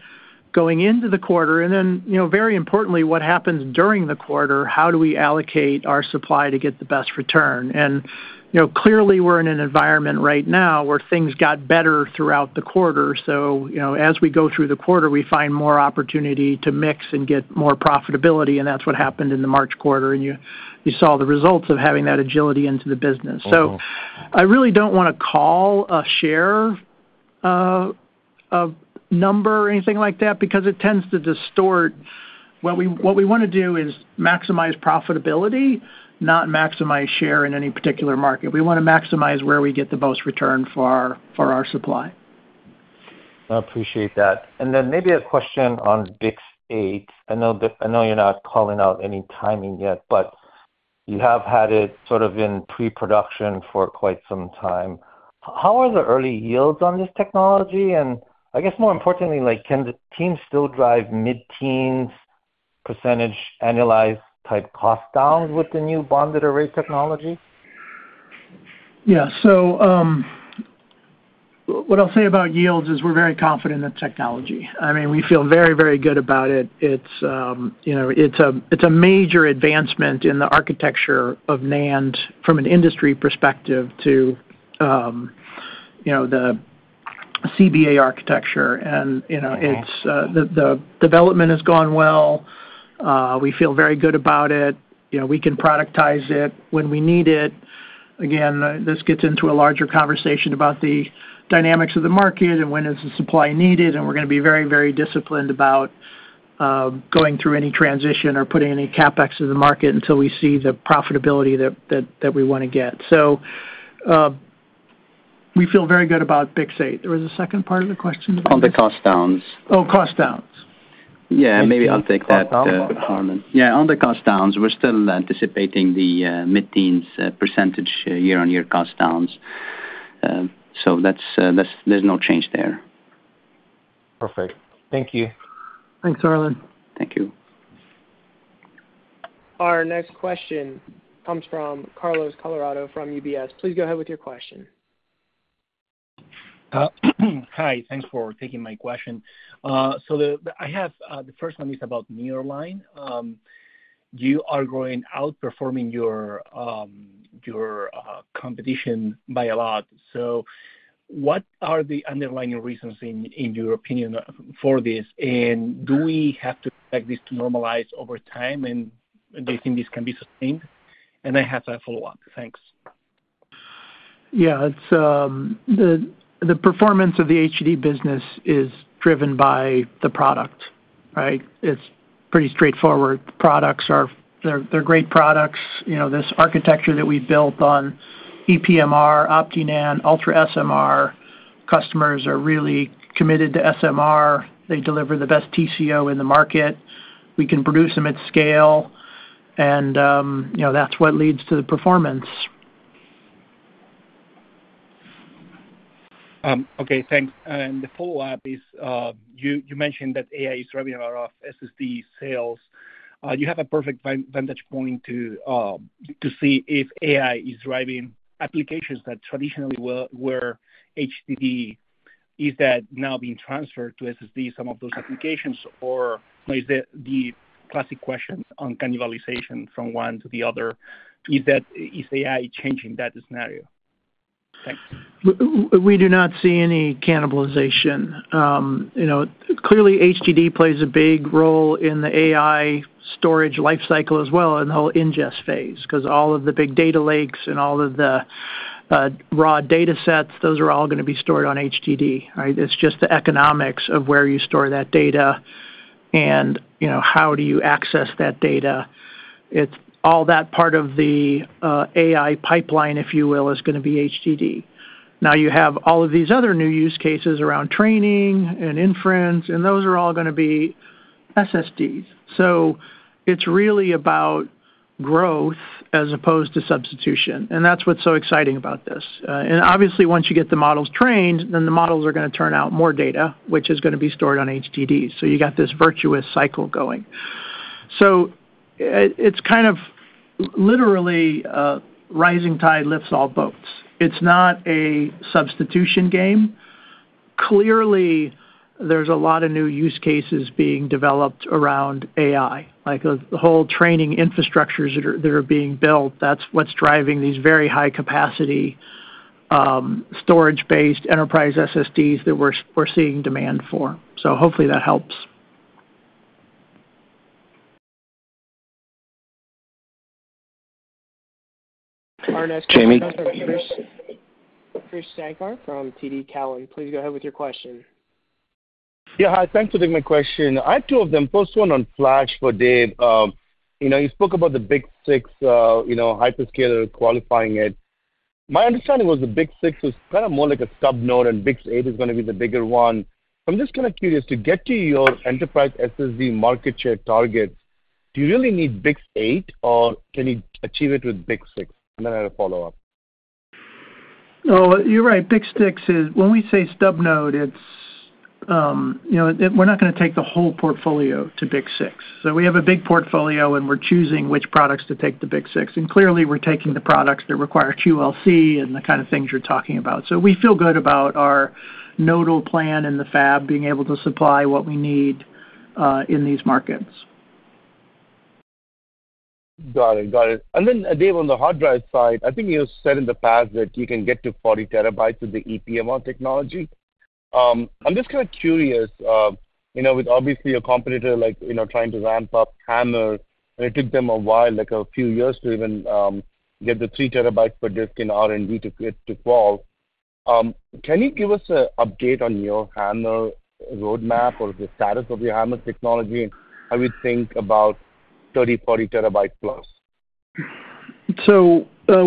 C: going into the quarter, and then, you know, very importantly, what happens during the quarter, how do we allocate our supply to get the best return? And, you know, clearly, we're in an environment right now where things got better throughout the quarter, so, you know, as we go through the quarter, we find more opportunity to mix and get more profitability, and that's what happened in the March quarter, and you, you saw the results of having that agility into the business.
K: Mm-hmm.
C: I really don't wanna call a share, a number or anything like that, because it tends to distort. What we wanna do is maximize profitability, not maximize share in any particular market. We wanna maximize where we get the most return for our supply.
K: I appreciate that. And then maybe a question on BiCS8. I know that, I know you're not calling out any timing yet, but you have had it sort of in pre-production for quite some time. How are the early yields on this technology? And I guess more importantly, like, can the team still drive mid-teens percentage annualized-type cost downs with the new bonded array technology?
C: Yeah. So, what I'll say about yields is we're very confident in the technology. I mean, we feel very, very good about it. It's, you know, it's a, it's a major advancement in the architecture of NAND from an industry perspective to, you know, the CBA architecture, and, you know, it's, the, the development has gone well. We feel very good about it. You know, we can productize it when we need it. Again, this gets into a larger conversation about the dynamics of the market, and when is the supply needed, and we're gonna be very, very disciplined about, going through any transition or putting any CapEx into the market until we see the profitability that, that, that we wanna get. So, we feel very good about BiCS8. There was a second part of the question?
K: On the cost downs.
C: Oh, cost downs.
D: Yeah, maybe I'll take that, Harlan. Yeah, on the cost downs, we're still anticipating the mid-teens % year-on-year cost downs. So that's. There's no change there. Perfect. Thank you.
C: Thanks, Harlan.
K: Thank you.
A: Our next question comes from Carlos Colorado from UBS. Please go ahead with your question.
L: Hi, thanks for taking my question. So, I have the first one is about Nearline. You are growing, outperforming your competition by a lot. So what are the underlying reasons, in your opinion, for this? And do we have to expect this to normalize over time, and do you think this can be sustained? And I have a follow-up. Thanks.
C: Yeah, it's the performance of the HDD business is driven by the product, right? It's pretty straightforward. Products are great products. You know, this architecture that we built on ePMR, OptiNAND, UltraSMR, customers are really committed to SMR. They deliver the best TCO in the market. We can produce them at scale, and you know, that's what leads to the performance.
L: Okay, thanks. The follow-up is, you mentioned that AI is driving a lot of SSD sales. You have a perfect vantage point to see if AI is driving applications that traditionally were HDD. Is that now being transferred to SSD, some of those applications, or is it the classic questions on cannibalization from one to the other? Is that? Is AI changing that scenario? Thanks.
C: We do not see any cannibalization. You know, clearly, HDD plays a big role in the AI storage life cycle as well, and the whole ingest phase, 'cause all of the big data lakes and all of the raw data sets, those are all gonna be stored on HDD, right? It's just the economics of where you store that data and, you know, how do you access that data. It's all that part of the AI pipeline, if you will, is gonna be HDD. Now, you have all of these other new use cases around training and inference, and those are all gonna be SSDs. So it's really about growth as opposed to substitution, and that's what's so exciting about this. And obviously, once you get the models trained, then the models are gonna turn out more data, which is gonna be stored on HDDs. So you got this virtuous cycle going. So it's kind of literally, rising tide lifts all boats. It's not a substitution game. Clearly, there's a lot of new use cases being developed around AI, like the whole training infrastructures that are being built, that's what's driving these very high-capacity storage-based enterprise SSDs that we're seeing demand for. So hopefully that helps. ... Jamie?
A: Krish Sankar from TD Cowen, please go ahead with your question.
M: Yeah, hi. Thanks for taking my question. I have two of them. First one on flash for Dave. You know, you spoke about the BiCS6, you know, hyperscaler qualifying it. My understanding was the BiCS6 was kind of more like a stub node, and BiCS8 is gonna be the bigger one. I'm just kind of curious, to get to your enterprise SSD market share targets, do you really need BiCS8, or can you achieve it with BiCS6? And then I have a follow-up.
C: Oh, you're right. BiCS6 is... When we say stub node, it's, you know, we're not gonna take the whole portfolio to BiCS6. So we have a big portfolio, and we're choosing which products to take to BiCS6, and clearly, we're taking the products that require QLC and the kind of things you're talking about. So we feel good about our nodal plan and the fab being able to supply what we need in these markets.
M: Got it. Got it. And then, Dave, on the hard drive side, I think you said in the past that you can get to 40 TB with the ePMR technology. I'm just kind of curious, you know, with obviously a competitor like, you know, trying to ramp up HAMR, and it took them a while, like a few years, to even get the 3 TB per disk in R&D to get to qual. Can you give us an update on your HAMR roadmap or the status of your HAMR technology, and how we think about 30 TB, 40 TB plus?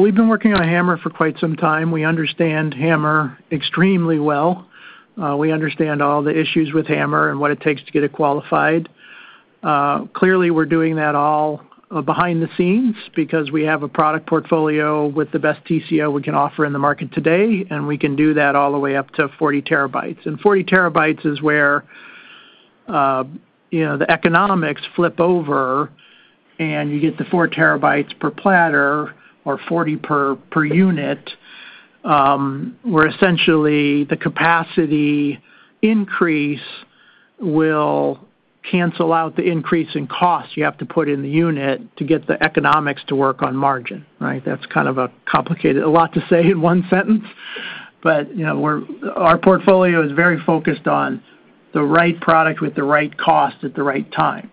C: We've been working on HAMR for quite some time. We understand HAMR extremely well. We understand all the issues with HAMR and what it takes to get it qualified. Clearly, we're doing that all behind the scenes because we have a product portfolio with the best TCO we can offer in the market today, and we can do that all the way up to 40 TB. 40 TB is where, you know, the economics flip over, and you get the 4 TB per platter or 40 TB per unit, where essentially the capacity increase will cancel out the increase in costs you have to put in the unit to get the economics to work on margin, right? That's kind of a complicated, a lot to say in one sentence, but, you know, we're—our portfolio is very focused on the right product with the right cost at the right time.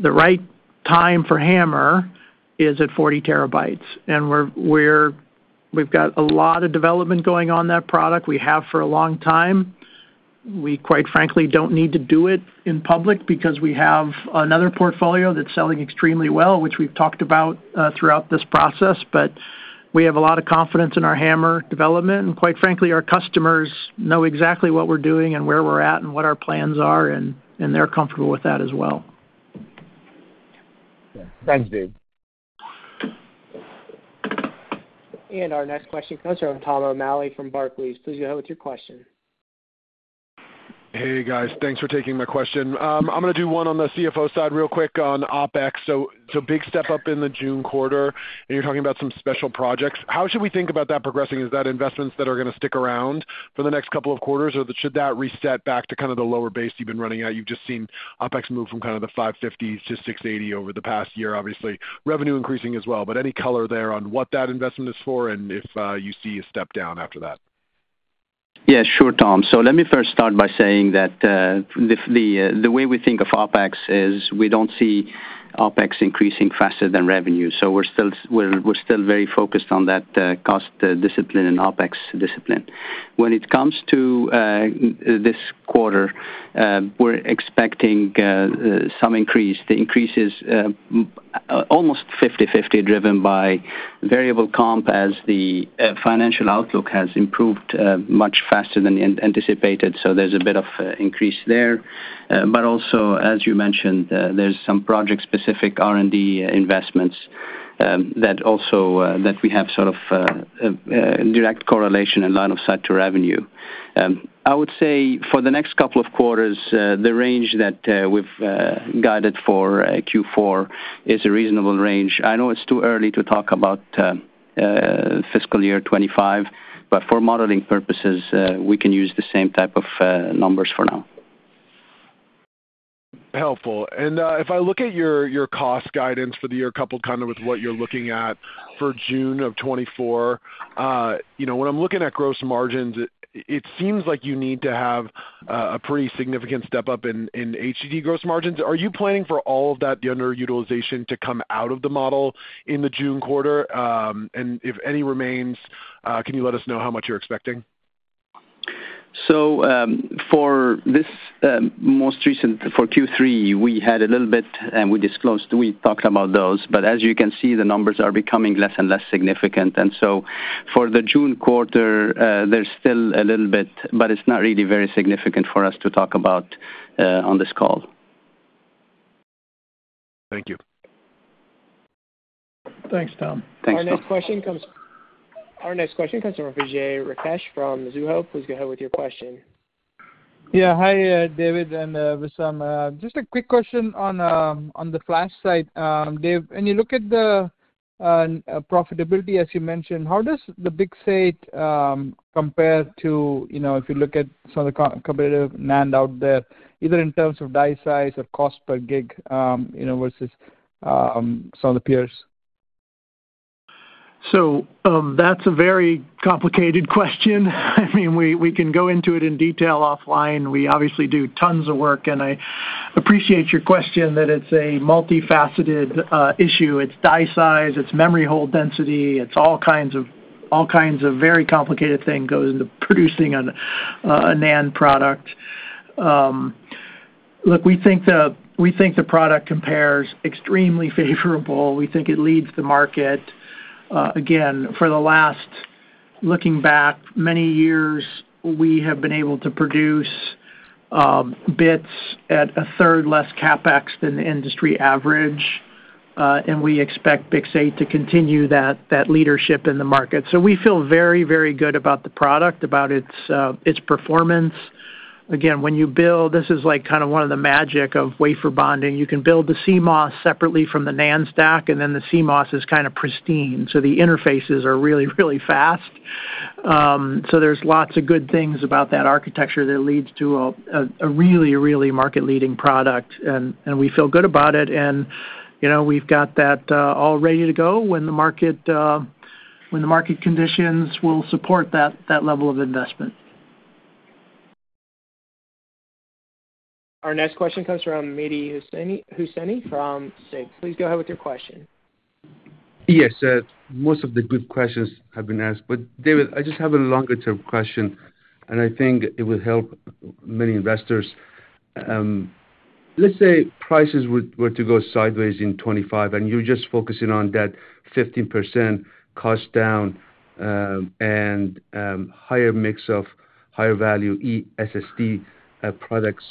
C: The right time for HAMR is at 40 TB, and we're, we're—we've got a lot of development going on that product. We have for a long time. We, quite frankly, don't need to do it in public because we have another portfolio that's selling extremely well, which we've talked about throughout this process. But we have a lot of confidence in our HAMR development, and quite frankly, our customers know exactly what we're doing and where we're at and what our plans are, and, and they're comfortable with that as well.
M: Thanks, Dave.
A: Our next question comes from Tom O'Malley from Barclays. Please go ahead with your question.
N: Hey, guys. Thanks for taking my question. I'm gonna do one on the CFO side real quick on OpEx. So, so big step up in the June quarter, and you're talking about some special projects. How should we think about that progressing? Is that investments that are gonna stick around for the next couple of quarters, or should that reset back to kind of the lower base you've been running at? You've just seen OpEx move from kind of the $550 to $680 over the past year. Obviously, revenue increasing as well. But any color there on what that investment is for, and if you see a step down after that?
D: Yeah, sure, Tom. So let me first start by saying that the way we think of OpEx is we don't see OpEx increasing faster than revenue, so we're still very focused on that cost discipline and OpEx discipline. When it comes to this quarter, we're expecting some increase. The increase is almost 50/50, driven by variable comp as the financial outlook has improved much faster than anticipated, so there's a bit of increase there. But also, as you mentioned, there's some project-specific R&D investments that we have sort of direct correlation and line of sight to revenue. I would say for the next couple of quarters, the range that we've guided for Q4 is a reasonable range. I know it's too early to talk about fiscal year 2025, but for modeling purposes, we can use the same type of numbers for now.
N: Helpful. And, if I look at your, your cost guidance for the year, coupled kind of with what you're looking at for June of 2024, you know, when I'm looking at gross margins, it, it seems like you need to have, a pretty significant step up in, in HDD gross margins. Are you planning for all of that, the underutilization, to come out of the model in the June quarter? And if any remains, can you let us know how much you're expecting?
D: So, for this most recent for Q3, we had a little bit, and we disclosed, we talked about those. But as you can see, the numbers are becoming less and less significant. And so for the June quarter, there's still a little bit, but it's not really very significant for us to talk about on this call.
N: Thank you.
C: Thanks, Tom.
D: Thanks, Tom.
A: Our next question comes from Vijay Rakesh from Mizuho. Please go ahead with your question.
O: Yeah. Hi, David and, Wissam. Just a quick question on, on the flash side. Dave, when you look at the, profitability, as you mentioned, how does the BiCS8, compare to, you know, if you look at some of the competitive NAND out there, either in terms of die size or cost per gig, you know, versus, some of the peers?
C: So, that's a very complicated question. I mean, we can go into it in detail offline. We obviously do tons of work, and I appreciate your question, that it's a multifaceted issue. It's die size, it's memory hole density, it's all kinds of, all kinds of very complicated thing goes into producing a NAND product. Look, we think the product compares extremely favorable. We think it leads the market. Again, for the last, looking back, many years, we have been able to produce bits at a third less CapEx than the industry average, and we expect BiCS8 to continue that leadership in the market. So we feel very, very good about the product, about its performance. Again, when you build... This is, like, kind of one of the magic of wafer bonding. You can build the CMOS separately from the NAND stack, and then the CMOS is kind of pristine, so the interfaces are really, really fast. So there's lots of good things about that architecture that leads to a really, really market-leading product, and we feel good about it, and, you know, we've got that all ready to go when the market conditions will support that level of investment.
A: Our next question comes from Mehdi Hosseini from Susquehanna. Please go ahead with your question.
P: Yes, most of the good questions have been asked, but David, I just have a longer-term question, and I think it will help many investors. Let's say prices were to go sideways in 2025, and you're just focusing on that 15% cost down, and higher mix of higher value ESSD products.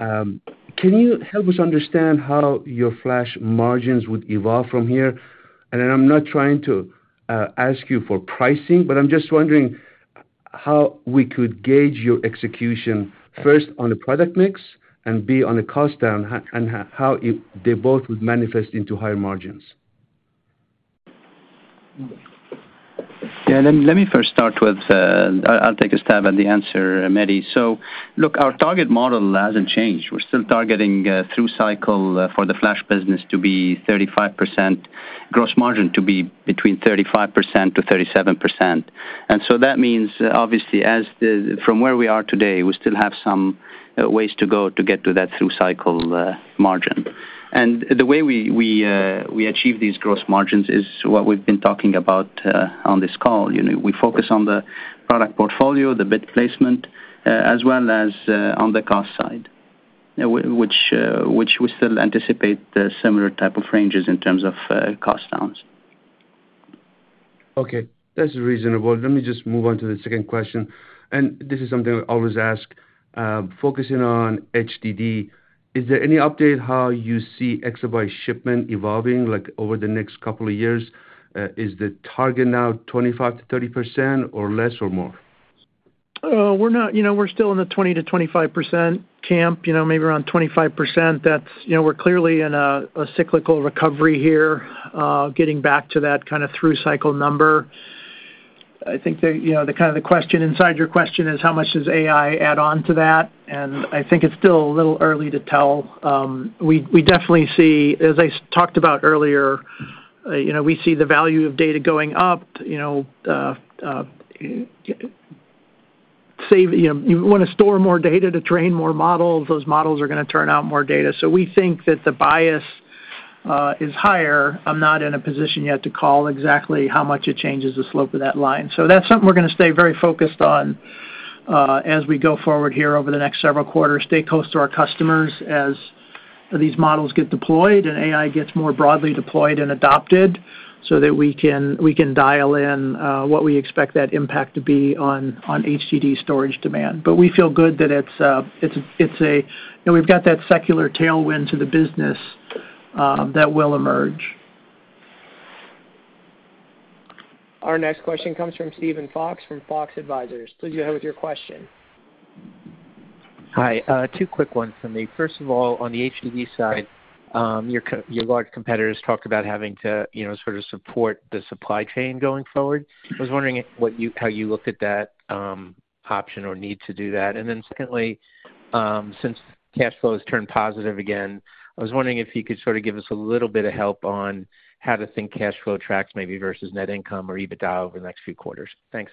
P: Can you help us understand how your flash margins would evolve from here? And I'm not trying to ask you for pricing, but I'm just wondering how we could gauge your execution, first, on the product mix, and B, on the cost down, and how they both would manifest into higher margins?...
D: Yeah, let me first start with, I'll take a stab at the answer, Mehdi. So look, our target model hasn't changed. We're still targeting through cycle for the flash business to be 35%, gross margin to be between 35%-37%. And so that means, obviously, as the-- from where we are today, we still have some ways to go to get to that through cycle margin. And the way we achieve these gross margins is what we've been talking about on this call. You know, we focus on the product portfolio, the bid placement, as well as on the cost side, which we still anticipate the similar type of ranges in terms of cost downs.
P: Okay, that's reasonable. Let me just move on to the second question, and this is something I always ask. Focusing on HDD, is there any update how you see exabyte shipment evolving, like, over the next couple of years? Is the target now 25%-30%, or less, or more?
C: We're not, you know, we're still in the 20%-25% camp, you know, maybe around 25%. That's, you know, we're clearly in a cyclical recovery here, getting back to that kind of through cycle number. I think the, you know, the kind of the question inside your question is how much does AI add on to that? And I think it's still a little early to tell. We definitely see, as I talked about earlier, you know, we see the value of data going up, you know, you know, you want to store more data to train more models, those models are going to turn out more data. So we think that the bias is higher. I'm not in a position yet to call exactly how much it changes the slope of that line. So that's something we're going to stay very focused on, as we go forward here over the next several quarters, stay close to our customers as these models get deployed and AI gets more broadly deployed and adopted so that we can, we can dial in, what we expect that impact to be on, on HDD storage demand. But we feel good that it's, it's, it's a, you know, we've got that secular tailwind to the business, that will emerge.
A: Our next question comes from Steven Fox, from Fox Advisors. Please go ahead with your question.
Q: Hi, two quick ones from me. First of all, on the HDD side, your large competitors talked about having to, you know, sort of support the supply chain going forward. I was wondering how you looked at that option or need to do that. And then secondly, since cash flow has turned positive again, I was wondering if you could sort of give us a little bit of help on how to think cash flow tracks, maybe versus net income or EBITDA over the next few quarters. Thanks.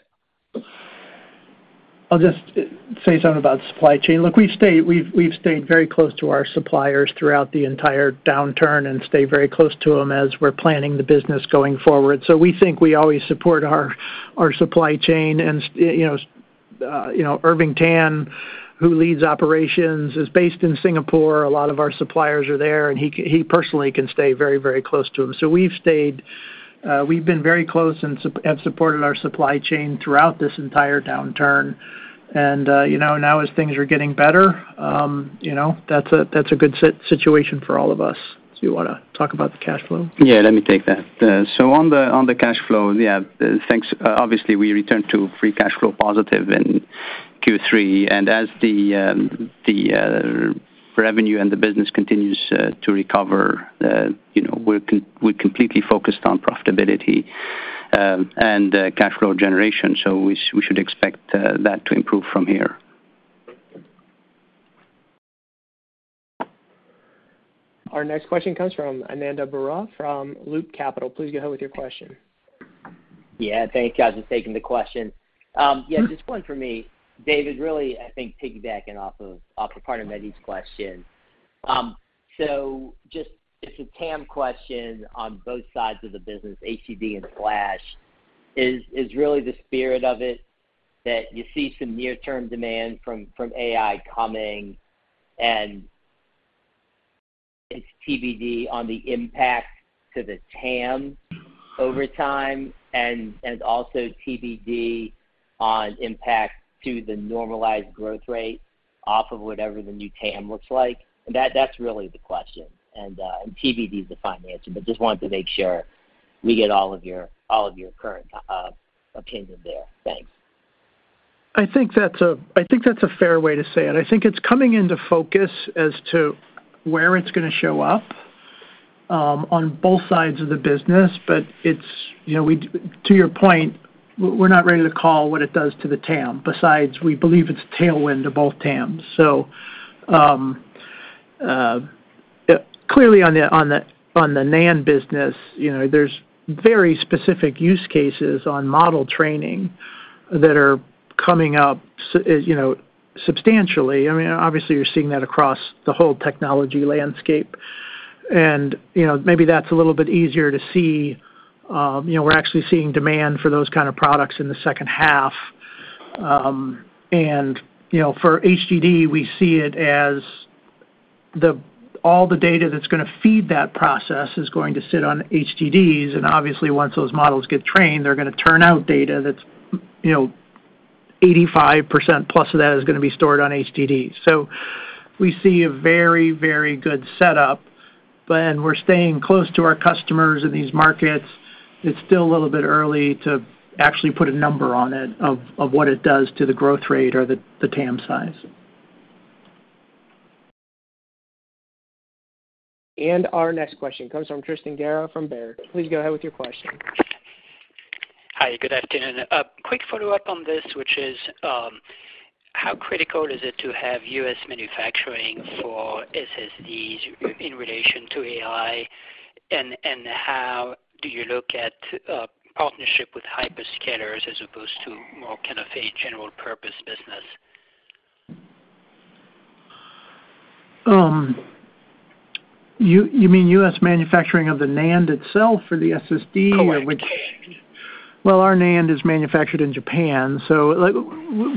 C: I'll just say something about supply chain. Look, we've stayed very close to our suppliers throughout the entire downturn and stayed very close to them as we're planning the business going forward. So we think we always support our supply chain. And you know, Irving Tan, who leads operations, is based in Singapore. A lot of our suppliers are there, and he personally can stay very, very close to them. So we've stayed, we've been very close and supported our supply chain throughout this entire downturn. And you know, now as things are getting better, you know, that's a good situation for all of us. Do you want to talk about the cash flow?
D: Yeah, let me take that. So on the, on the cash flow, yeah, thanks. Obviously, we returned to free cash flow positive in Q3, and as the revenue and the business continues to recover, you know, we're completely focused on profitability, and cash flow generation, so we should expect that to improve from here.
A: Our next question comes from Ananda Baruah, from Loop Capital. Please go ahead with your question.
R: Yeah, thanks, guys, for taking the question. Yeah, just one for me. David, really, I think piggybacking off of, off a part of Mehdi's question. So just it's a TAM question on both sides of the business, HDD and Flash. Is really the spirit of it that you see some near-term demand from, from AI coming, and it's TBD on the impact to the TAM over time, and, and also TBD on impact to the normalized growth rate off of whatever the new TAM looks like? That's really the question. And, and TBD is the financial, but just wanted to make sure we get all of your, all of your current opinion there. Thanks.
C: I think that's a, I think that's a fair way to say it. I think it's coming into focus as to where it's going to show up, on both sides of the business, but it's, you know, to your point, we're not ready to call what it does to the TAM, besides, we believe it's tailwind to both TAMs. So, clearly, on the NAND business, you know, there's very specific use cases on model training that are coming up, you know, substantially. I mean, obviously, you're seeing that across the whole technology landscape. And, you know, maybe that's a little bit easier to see. You know, we're actually seeing demand for those kind of products in the second half. And, you know, for HDD, we see it as the... All the data that's going to feed that process is going to sit on HDDs, and obviously, once those models get trained, they're going to turn out data that's, you know, 85%+ of that is going to be stored on HDDs. So we see a very, very good setup, but, and we're staying close to our customers in these markets. It's still a little bit early to actually put a number on it, of, of what it does to the growth rate or the, the TAM size.
A: ...Our next question comes from Tristan Gerra from Baird. Please go ahead with your question.
S: Hi, good afternoon. A quick follow-up on this, which is, how critical is it to have U.S. manufacturing for SSDs in relation to AI? And how do you look at partnership with hyperscalers as opposed to more kind of a general purpose business?
C: You mean US manufacturing of the NAND itself or the SSD?
S: Correct.
C: Well, our NAND is manufactured in Japan, so, like,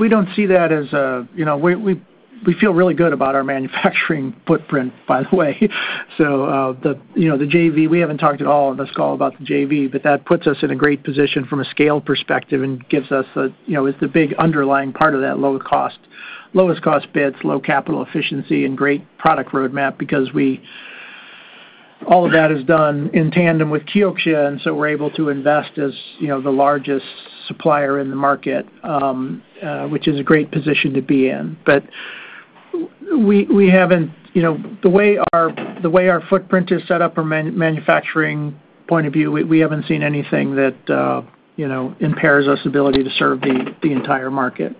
C: we don't see that as a, you know, we feel really good about our manufacturing footprint, by the way. So, you know, the JV, we haven't talked at all on this call about the JV, but that puts us in a great position from a scale perspective and gives us a, you know, it's the big underlying part of that low cost, lowest cost bits, low capital efficiency, and great product roadmap because all of that is done in tandem with Kioxia, and so we're able to invest as, you know, the largest supplier in the market, which is a great position to be in. But we, we haven't, you know, the way our, the way our footprint is set up from a manufacturing point of view, we, we haven't seen anything that, you know, impairs our ability to serve the, the entire market.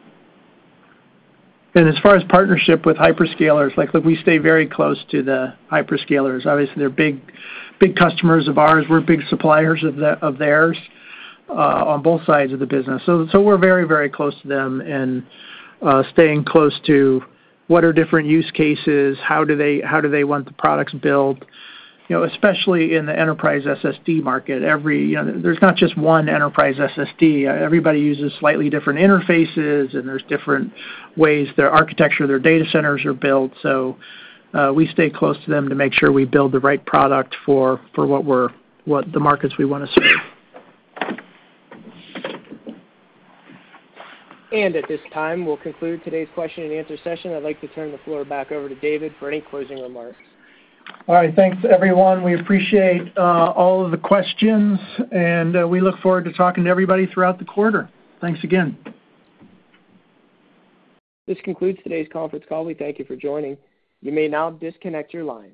C: As far as partnership with hyperscalers, like, look, we stay very close to the hyperscalers. Obviously, they're big, big customers of ours. We're big suppliers of theirs on both sides of the business. So we're very, very close to them and, staying close to what their different use cases, how do they, how do they want the products built? You know, especially in the enterprise SSD market, every, you know, there's not just one enterprise SSD. Everybody uses slightly different interfaces, and there's different ways their architecture, their data centers are built. So, we stay close to them to make sure we build the right product for what the markets we wanna serve.
A: At this time, we'll conclude today's question and answer session. I'd like to turn the floor back over to David for any closing remarks.
C: All right. Thanks, everyone. We appreciate all of the questions, and we look forward to talking to everybody throughout the quarter. Thanks again.
A: This concludes today's conference call. We thank you for joining. You may now disconnect your line.